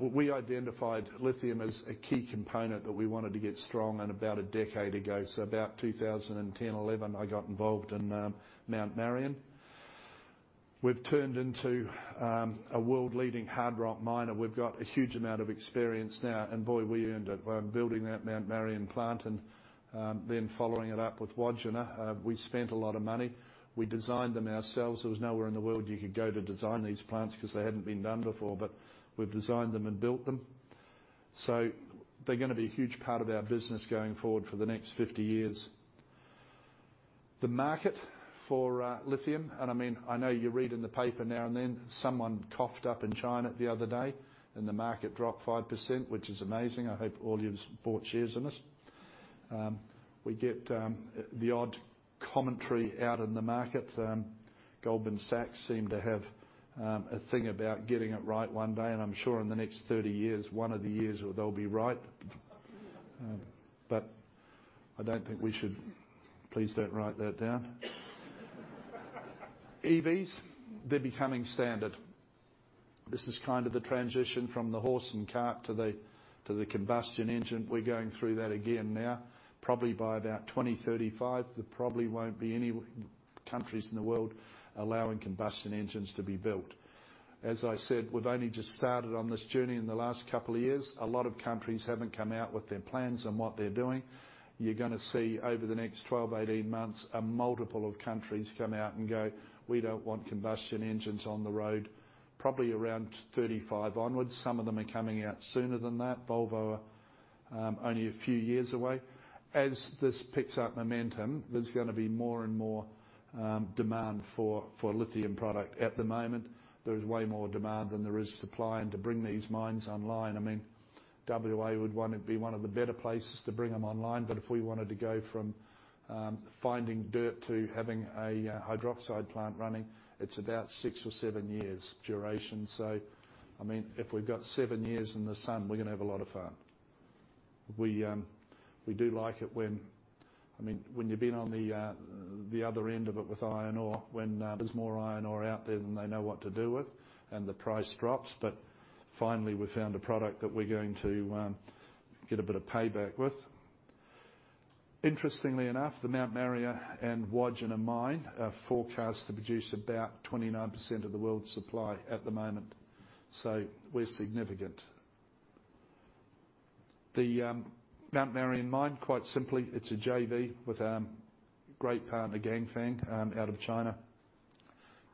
We identified lithium as a key component that we wanted to get strong in about a decade ago, so about 2010, 2011, I got involved in Mount Marion. We've turned into a world-leading hard rock miner. We've got a huge amount of experience now. Boy, we earned it. We're building that Mount Marion plant and then following it up with Wodgina. We spent a lot of money. We designed them ourselves. There was nowhere in the world you could go to design these plants because they hadn't been done before. We've designed them and built them. They're gonna be a huge part of our business going forward for the next 50 years. The market for lithium, and I mean, I know you read in the paper now and then someone coughed up in China the other day, and the market dropped 5%, which is amazing. I hope all you've bought shares in this. We get the odd commentary out in the market. Goldman Sachs seem to have a thing about getting it right one day, and I'm sure in the next 30 years, one of the years where they'll be right. I don't think we should. Please don't write that down. EVs, they're becoming standard. This is kind of the transition from the horse and cart to the combustion engine. We're going through that again now. Probably by about 2035, there probably won't be any countries in the world allowing combustion engines to be built. As I said, we've only just started on this journey in the last couple of years. A lot of countries haven't come out with their plans and what they're doing. You're gonna see over the next 12, 18 months, a multiple of countries come out and go, "We don't want combustion engines on the road," probably around 2035 onwards. Some of them are coming out sooner than that. Volvo are only a few years away. As this picks up momentum, there's gonna be more and more demand for lithium product. At the moment, there is way more demand than there is supply. To bring these mines online, I mean, WA would be one of the better places to bring them online. If we wanted to go from finding dirt to having a hydroxide plant running, it's about six or seven years duration. I mean, if we've got seven years in the sun, we're gonna have a lot of fun. We do like it when I mean, when you've been on the other end of it with iron ore, when there's more iron ore out there than they know what to do with and the price drops. Finally, we found a product that we're going to get a bit of payback with. Interestingly enough, the Mount Marion and Wodgina mine are forecast to produce about 29% of the world's supply at the moment, so we're significant. The Mount Marion mine, quite simply, it's a JV with a great partner, Ganfeng, out of China.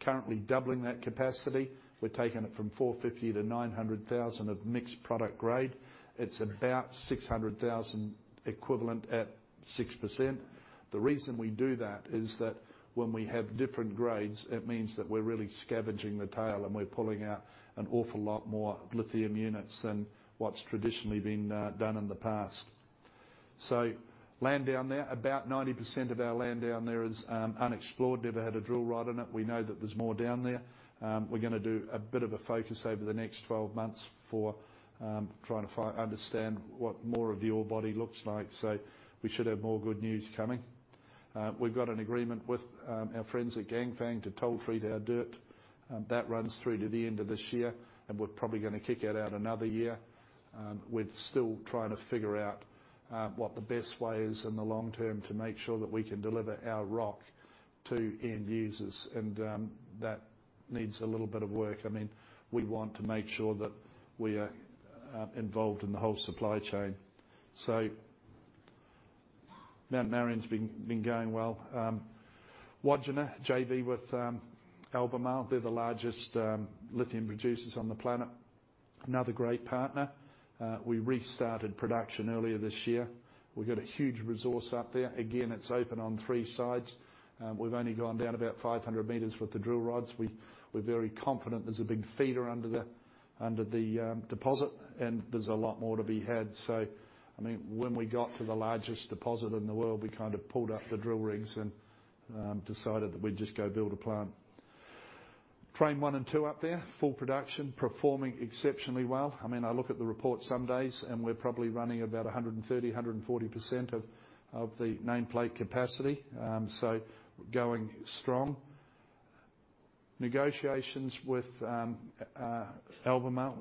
Currently doubling that capacity. We're taking it from 450 to 900,000 of mixed product grade. It's about 600,000 equivalent at 6%. The reason we do that is that when we have different grades, it means that we're really scavenging the tail and we're pulling out an awful lot more lithium units than what's traditionally been done in the past. Land down there, about 90% of our land down there is unexplored. Never had a drill rod in it. We know that there's more down there. We're gonna do a bit of a focus over the next 12 months for trying to understand what more of the ore body looks like. We should have more good news coming. We've got an agreement with our friends at Ganfeng to toll treat our dirt. That runs through to the end of this year, and we're probably gonna kick it out another year. We're still trying to figure out what the best way is in the long term to make sure that we can deliver our rock to end users and that needs a little bit of work. I mean, we want to make sure that we are involved in the whole supply chain. Mount Marion's been going well. Wodgina, JV with Albemarle, they're the largest lithium producers on the planet. Another great partner. We restarted production earlier this year. We got a huge resource up there. Again, it's open on three sides. We've only gone down about 500 meters with the drill rods. We're very confident there's a big feeder under the deposit, and there's a lot more to be had. I mean, when we got to the largest deposit in the world, we kind of pulled up the drill rigs and decided that we'd just go build a plant. Train 1 and 2 up there, full production, performing exceptionally well. I mean, I look at the report some days, and we're probably running about 130-140% of the nameplate capacity. Going strong. Negotiations with Albemarle.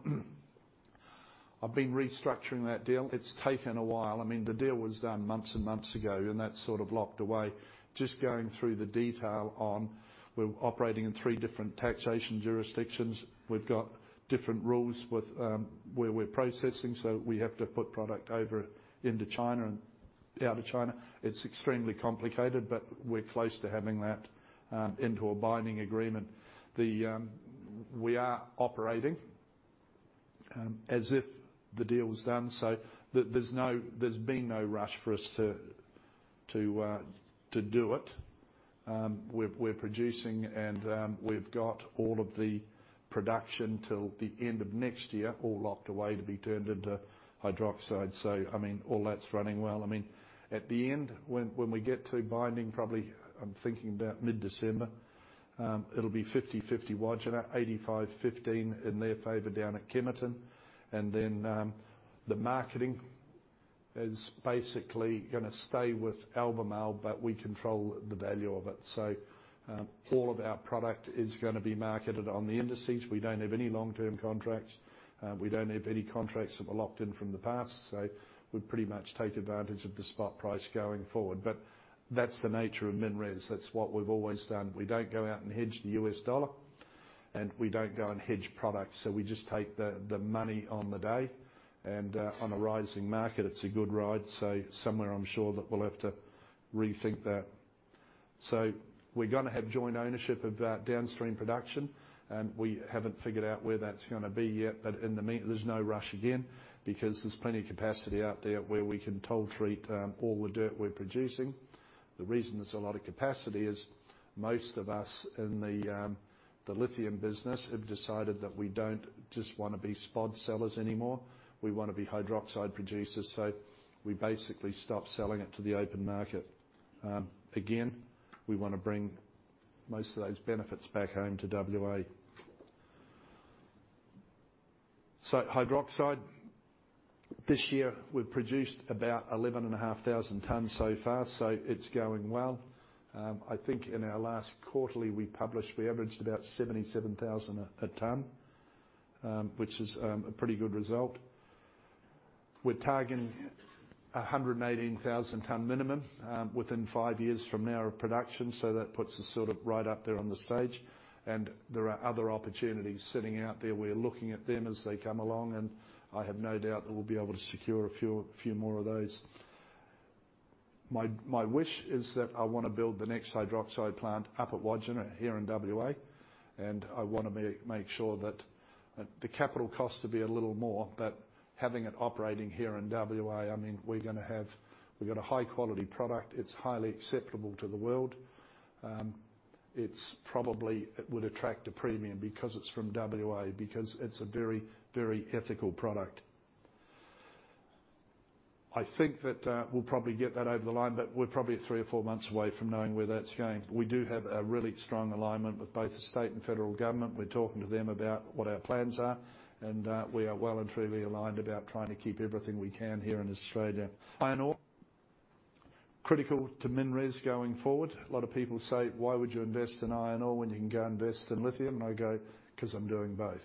I've been restructuring that deal. It's taken a while. I mean, the deal was done months and months ago, and that's sort of locked away. Just going through the detail on where we're operating in three different taxation jurisdictions. We've got different rules with where we're processing, so we have to put product over into China and out of China. It's extremely complicated, but we're close to having that into a binding agreement. We are operating as if the deal is done, so there's been no rush for us to do it. We're producing and we've got all of the production till the end of next year, all locked away to be turned into hydroxide. I mean, all that's running well. I mean, at the end when we get to binding, probably I'm thinking about mid-December, it'll be 50/50 Wodgina, 85/15 in their favor down at Kemerton. The marketing is basically gonna stay with Albemarle, but we control the value of it. All of our product is gonna be marketed on the indices. We don't have any long-term contracts. We don't have any contracts that were locked in from the past. We pretty much take advantage of the spot price going forward. That's the nature of MinRes. That's what we've always done. We don't go out and hedge the US dollar, and we don't go and hedge products. We just take the money on the day. On a rising market, it's a good ride. Somewhere I'm sure that we'll have to rethink that. We're gonna have joint ownership of that downstream production, and we haven't figured out where that's gonna be yet. In the meantime, there's no rush again, because there's plenty of capacity out there where we can toll treat all the dirt we're producing. The reason there's a lot of capacity is most of us in the lithium business have decided that we don't just wanna be spod sellers anymore. We wanna be hydroxide producers. We basically stop selling it to the open market. Again, we wanna bring most of those benefits back home to WA. Hydroxide. This year, we've produced about 11,500 tons so far. It's going well. I think in our last quarterly we published, we averaged about 77,000 a ton, which is a pretty good result. We're targeting a 118,000-ton minimum within five years from now of production. That puts us sort of right up there on the stage and there are other opportunities sitting out there. We're looking at them as they come along, and I have no doubt that we'll be able to secure a few more of those. My wish is that I wanna build the next hydroxide plant up at Wodgina here in WA. I wanna make sure that the capital cost will be a little more. Having it operating here in WA, I mean, we've got a high quality product. It's highly acceptable to the world. It's probably it would attract a premium because it's from WA, because it's a very, very ethical product. I think that we'll probably get that over the line, but we're probably three or four months away from knowing where that's going. We do have a really strong alignment with both the state and federal government. We're talking to them about what our plans are, and we are well and truly aligned about trying to keep everything we can here in Australia. Iron ore, critical to MinRes going forward. A lot of people say, "Why would you invest in iron ore when you can go invest in lithium?" I go, "Because I'm doing both."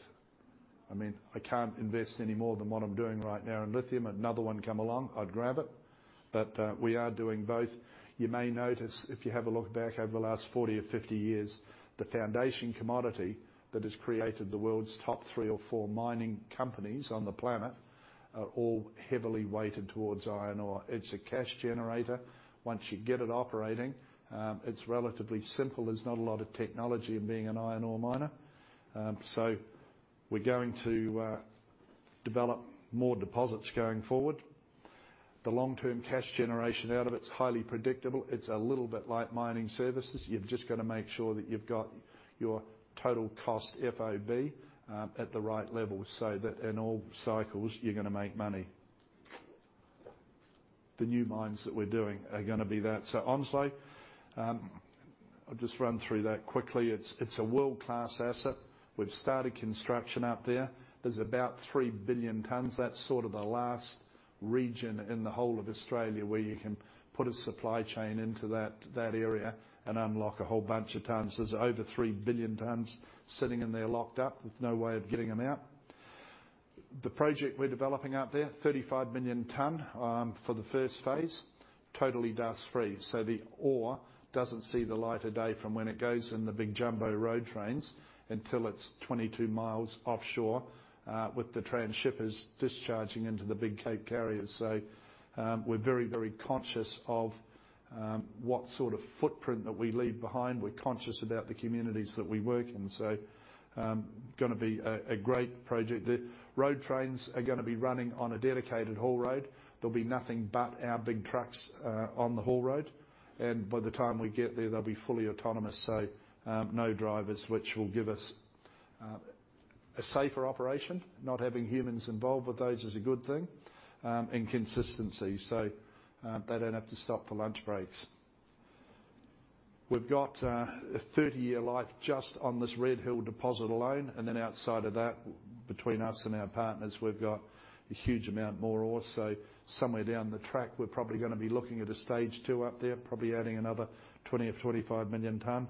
I mean, I can't invest any more than what I'm doing right now in lithium. Another one come along, I'd grab it. We are doing both. You may notice, if you have a look back over the last 40 or 50 years, the foundation commodity that has created the world's top 3 or 4 mining companies on the planet are all heavily weighted towards iron ore. It's a cash generator. Once you get it operating, it's relatively simple. There's not a lot of technology in being an iron ore miner. We're going to develop more deposits going forward. The long-term cash generation out of it is highly predictable. It's a little bit like Mining Services. You've just got to make sure that you've got your total cost FOB at the right level so that in all cycles, you're gonna make money. The new mines that we're doing are gonna be that. Onslow, I'll just run through that quickly. It's a world-class asset. We've started construction out there. There's about 3 billion tons. That's sort of the last region in the whole of Australia where you can put a supply chain into that area and unlock a whole bunch of tons. There's over 3 billion tons sitting in there locked up with no way of getting them out. The project we're developing out there, 35 million ton for the first phase, totally dust-free. The ore doesn't see the light of day from when it goes in the big jumbo road trains until it's 22 miles offshore, with the transshippers discharging into the big Capesize carriers. We're very, very conscious of what sort of footprint that we leave behind. We're conscious about the communities that we work in. Gonna be a great project. The road trains are gonna be running on a dedicated haul road. There'll be nothing but our big trucks on the haul road. By the time we get there, they'll be fully autonomous, so no drivers, which will give us a safer operation. Not having humans involved with those is a good thing, and consistency, they don't have to stop for lunch breaks. We've got a 30-year life just on this Red Hill deposit alone. Outside of that, between us and our partners, we've got a huge amount more ore. Somewhere down the track, we're probably gonna be looking at a stage two up there, probably adding another 20 or 25 million tons.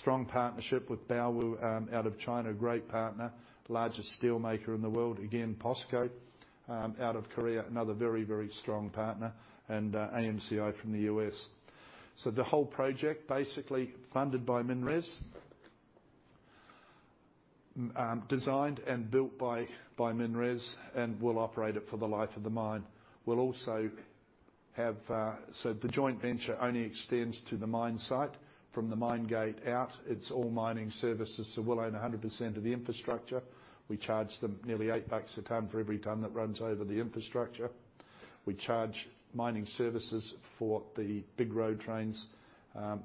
Strong partnership with Baowu out of China, great partner, largest steel maker in the world. Again, POSCO out of Korea, another very strong partner, and AMCI from the US. The whole project basically funded by MinRes, designed and built by MinRes, and we'll operate it for the life of the mine. The joint venture only extends to the mine site. From the mine gate out, it's all Mining Services. We'll own 100% of the infrastructure. We charge them nearly 8 bucks a ton for every ton that runs over the infrastructure. We charge Mining Services for the big road trains,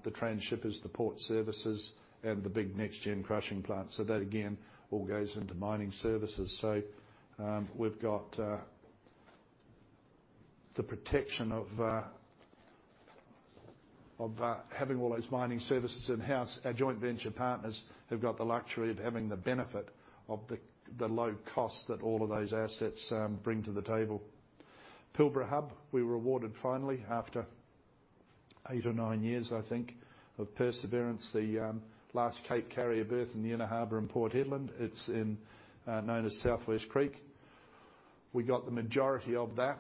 the transshippers, the port services, and the big next-gen crushing plant. That, again, all goes into Mining Services. We've got the protection of having all those Mining Services in-house. Our joint venture partners have got the luxury of having the benefit of the low cost that all of those assets bring to the table. Pilbara Hub, we were awarded finally after 8 or 9 years, I think, of perseverance. The last cape carrier berth in the inner harbor in Port Hedland. It's known as South West Creek. We got the majority of that.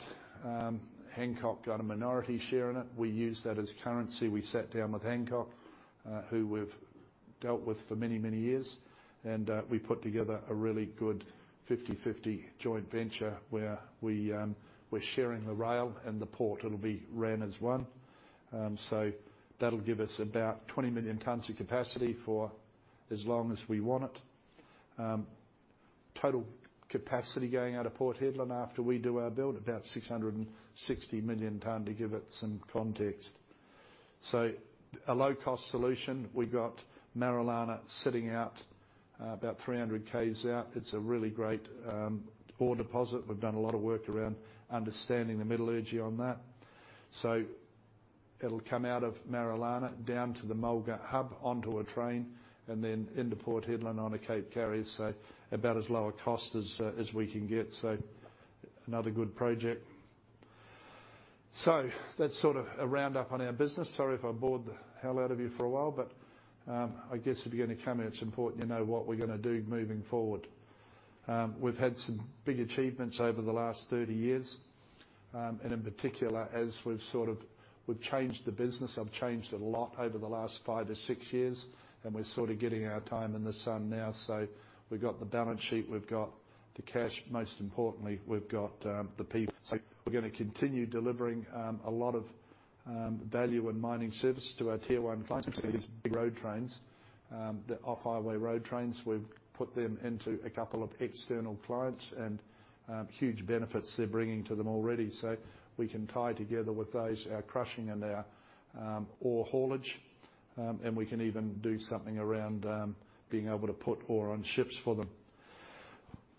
Hancock got a minority share in it. We used that as currency. We sat down with Hancock, who we've dealt with for many, many years, and we put together a really good 50-50 joint venture where we're sharing the rail and the port. It'll be run as one. That'll give us about 20 million tons of capacity for as long as we want it. Total capacity going out of Port Hedland after we do our build, about 660 million tons to give it some context. A low-cost solution. We've got Marillana sitting out about 300 km out. It's a really great ore deposit. We've done a lot of work around understanding the metallurgy on that. It'll come out of Marillana down to the Mulga Hub onto a train and then into Port Hedland on a cape carrier, so about as low a cost as we can get. Another good project. That's sort of a roundup on our business. Sorry if I bored the hell out of you for a while, but I guess if you're gonna come here, it's important you know what we're gonna do moving forward. We've had some big achievements over the last 30 years, and in particular, we've changed the business. I've changed a lot over the last five to six years, and we're sort of getting our time in the sun now. We've got the balance sheet, we've got the cash, most importantly, we've got the people. We're gonna continue delivering a lot of value and Mining Services to our Tier 1 clients. These big road trains, the off-highway road trains, we've put them into a couple of external clients and huge benefits they're bringing to them already. We can tie together with those our crushing and our ore haulage, and we can even do something around being able to put ore on ships for them.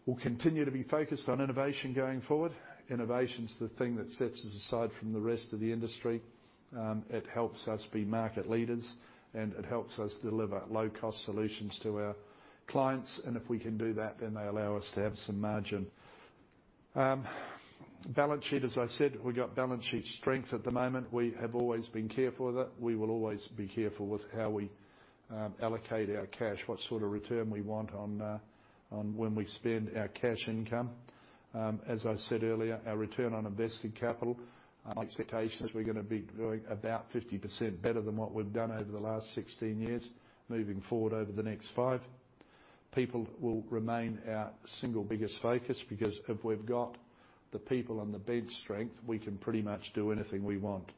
We'll continue to be focused on innovation going forward. Innovation's the thing that sets us aside from the rest of the industry. It helps us be market leaders, and it helps us deliver low-cost solutions to our clients. If we can do that, then they allow us to have some margin. Balance sheet, as I said, we've got balance sheet strength at the moment. We have always been careful with it. We will always be careful with how we allocate our cash, what sort of return we want on when we spend our cash income. As I said earlier, our return on invested capital expectations, we're gonna be growing about 50% better than what we've done over the last 16 years moving forward over the next 5. People will remain our single biggest focus because if we've got the people and the bench strength, we can pretty much do anything we want.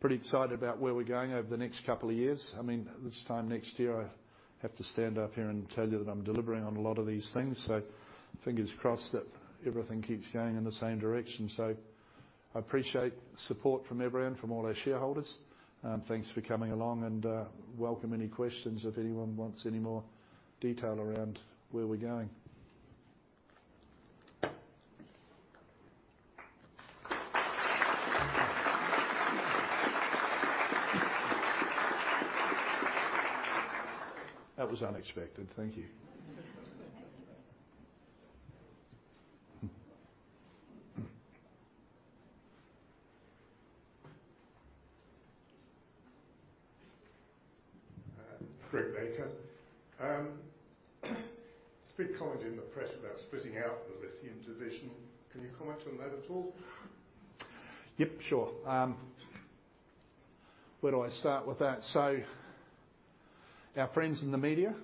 Pretty excited about where we're going over the next couple of years. I mean, this time next year, I have to stand up here and tell you that I'm delivering on a lot of these things. Fingers crossed that everything keeps going in the same direction. I appreciate the support from everyone, from all our shareholders. Thanks for coming along and welcome any questions if anyone wants any more detail around where we're going. That was unexpected. Thank you. Greg Baker. There's a big comment in the press about splitting out the lithium division. Can you comment on that at all? Yep, sure. Where do I start with that? Our friends in the media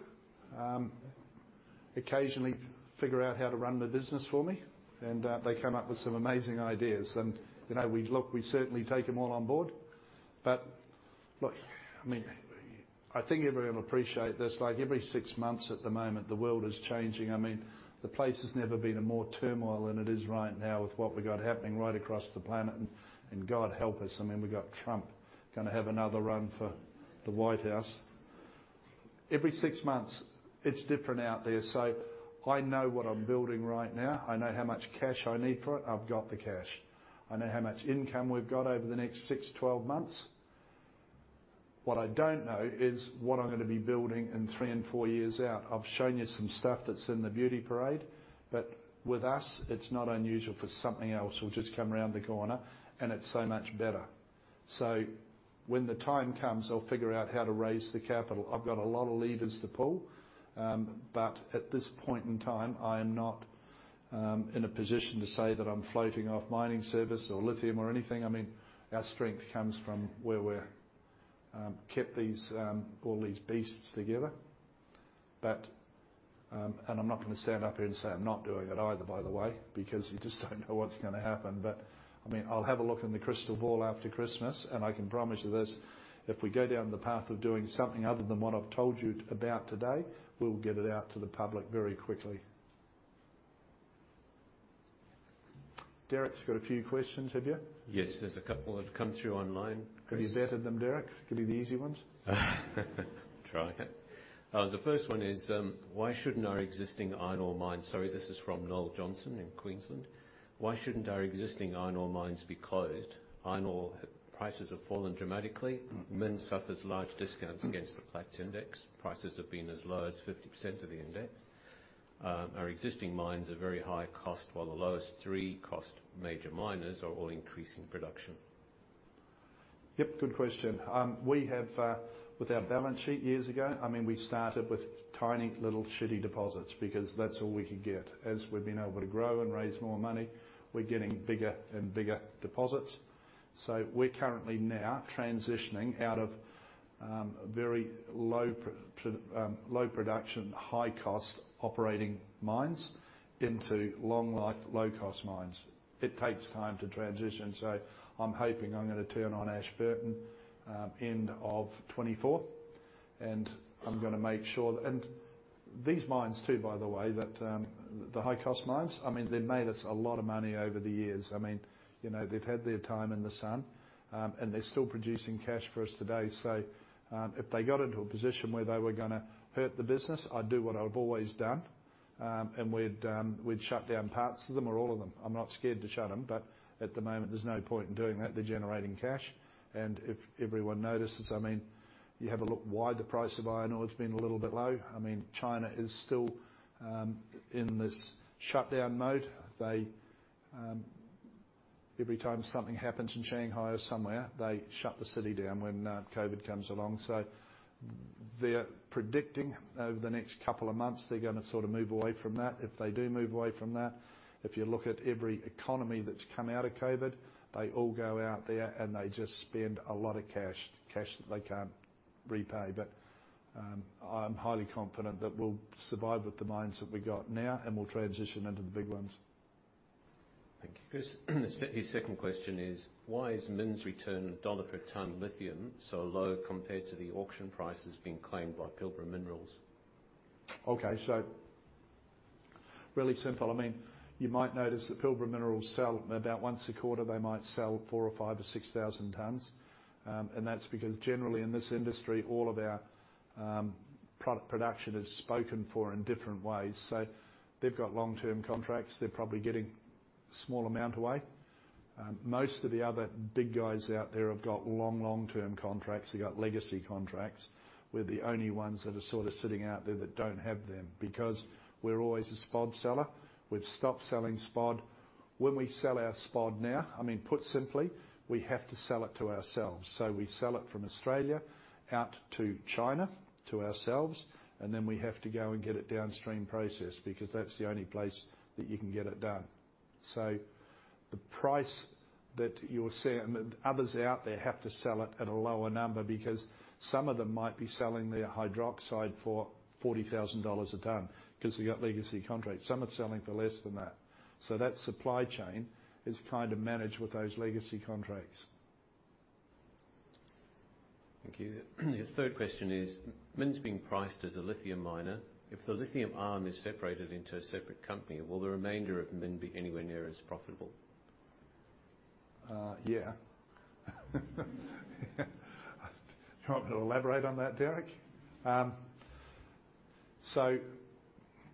occasionally figure out how to run the business for me, and they come up with some amazing ideas. You know, we look, we certainly take them all on board. Look, I mean, I think everyone will appreciate this. Like, every 6 months at the moment, the world is changing. I mean, the place has never been in more turmoil than it is right now with what we got happening right across the planet. God help us, I mean, we got Trump gonna have another run for the White House. Every 6 months, it's different out there. I know what I'm building right now. I know how much cash I need for it. I've got the cash. I know how much income we've got over the next 6, 12 months. What I don't know is what I'm gonna be building in three and four years out. I've shown you some stuff that's in the beauty parade, but with us, it's not unusual for something else will just come around the corner and it's so much better. When the time comes, I'll figure out how to raise the capital. I've got a lot of levers to pull. At this point in time, I am not in a position to say that I'm floating off Mining Services or Lithium or anything. I mean, our strength comes from where we're kept these all these beasts together. I'm not gonna stand up here and say I'm not doing it either, by the way, because you just don't know what's gonna happen. I mean, I'll have a look in the crystal ball after Christmas, and I can promise you this, if we go down the path of doing something other than what I've told you about today, we'll get it out to the public very quickly. Derek's got a few questions. Have you? Yes, there's a couple have come through online. Have you vetted them, Derek? Give me the easy ones. The first one is, "Why shouldn't our existing iron ore mines be closed? Iron ore prices have fallen dramatically. MinRes suffers large discounts against the Platts index. Prices have been as low as 50% of the index. Our existing mines are very high cost, while the three lowest-cost major miners are all increasing production." Sorry, this is from Noel Johnson in Queensland. Yep, good question. We have with our balance sheet years ago, I mean, we started with tiny little deposits because that's all we could get. As we've been able to grow and raise more money, we're getting bigger and bigger deposits. We're currently now transitioning out of very low production, high-cost operating mines into long life, low-cost mines. It takes time to transition, so I'm hoping I'm gonna turn on Ashburton end of 2024. I'm gonna make sure. These mines too, by the way, that the high cost mines, I mean, they've made us a lot of money over the years. I mean, you know, they've had their time in the sun, and they're still producing cash for us today. If they got into a position where they were gonna hurt the business, I'd do what I've always done. We'd shut down parts of them or all of them. I'm not scared to shut them, but at the moment, there's no point in doing that. They're generating cash. If everyone notices, I mean, you have a look why the price of iron ore has been a little bit low. I mean, China is still in this shutdown mode. They every time something happens in Shanghai or somewhere, they shut the city down when COVID comes along. They're predicting over the next couple of months, they're gonna sort of move away from that. If they do move away from that, if you look at every economy that's come out of COVID, they all go out there and they just spend a lot of cash. Cash that they can't repay. I'm highly confident that we'll survive with the mines that we got now and we'll transition into the big ones. Thank you. Chris, his second question is, "Why is MinRes return AUD 1 per ton lithium so low compared to the auction prices being claimed by Pilbara Minerals? Really simple. I mean, you might notice that Pilbara Minerals sell about once a quarter, they might sell 4,000 or 5,000 or 6,000 tons. And that's because generally in this industry, all of our product production is spoken for in different ways. They've got long-term contracts, they're probably getting a small amount away. Most of the other big guys out there have got long, long-term contracts. They've got legacy contracts. We're the only ones that are sort of sitting out there that don't have them because we're always a spodumene seller. We've stopped selling spodumene. When we sell our spodumene now, I mean, put simply, we have to sell it to ourselves. We sell it from Australia out to China to ourselves, and then we have to go and get it downstream processed because that's the only place that you can get it done. The price that you're seeing. Others out there have to sell it at a lower number because some of them might be selling their hydroxide for AUD 40,000 a ton because they've got legacy contracts. Some are selling for less than that. That supply chain is kind of managed with those legacy contracts. Thank you. The third question is, "Min's being priced as a lithium miner. If the lithium arm is separated into a separate company, will the remainder of Min be anywhere near as profitable? Yeah. Do you want me to elaborate on that, Derek?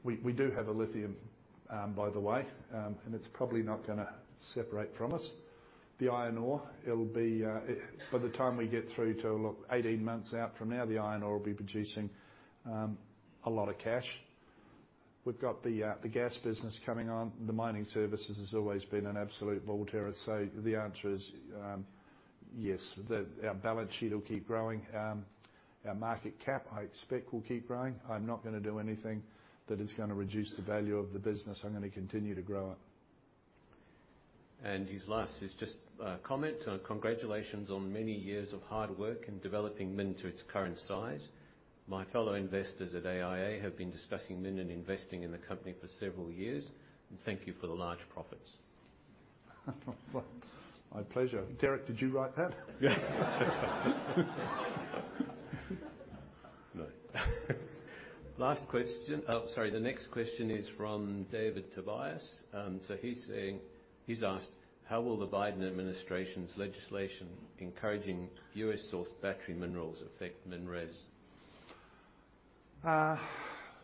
We do have a lithium arm, by the way, and it's probably not gonna separate from us. The iron ore, it'll be. By the time we get through to 18 months out from now, the iron ore will be producing a lot of cash. We've got the gas business coming on. The Mining Services has always been an absolute belter. The answer is, yes. Our balance sheet will keep growing. Our market cap, I expect, will keep growing. I'm not gonna do anything that is gonna reduce the value of the business. I'm gonna continue to grow it. His last is just a comment. "Congratulations on many years of hard work in developing MinRes to its current size. My fellow investors at ASA have been discussing MinRes and investing in the company for several years. Thank you for the large profits. My pleasure. Derek, did you write that? The next question is from David Tudehope. So he's saying he's asked, "How will the Biden administration's legislation encouraging U.S.-sourced battery minerals affect MinRes?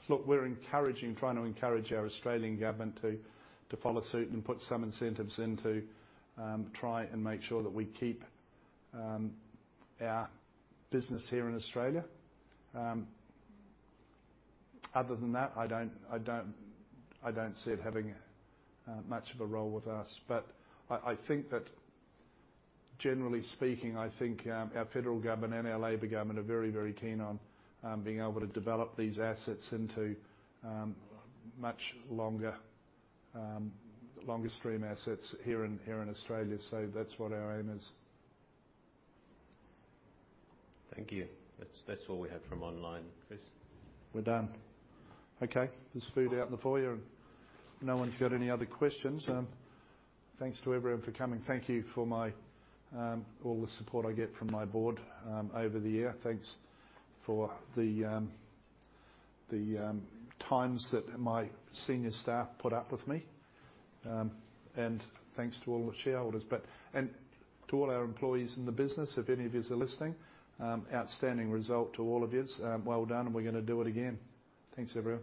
Look, we're trying to encourage our Australian government to follow suit and put some incentives in to try and make sure that we keep our business here in Australia. Other than that, I don't see it having much of a role with us. But I think that generally speaking, I think our federal government and our Labor government are very keen on being able to develop these assets into much longer stream assets here in Australia. That's what our aim is. Thank you. That's all we have from online, Chris. We're done. Okay. There's food out in the foyer and no one's got any other questions. Thanks to everyone for coming. Thank you for all the support I get from my board over the year. Thanks for the times that my senior staff put up with me. Thanks to all the shareholders. To all our employees in the business, if any of youse are listening, outstanding result to all of youse. Well done and we're gonna do it again. Thanks, everyone.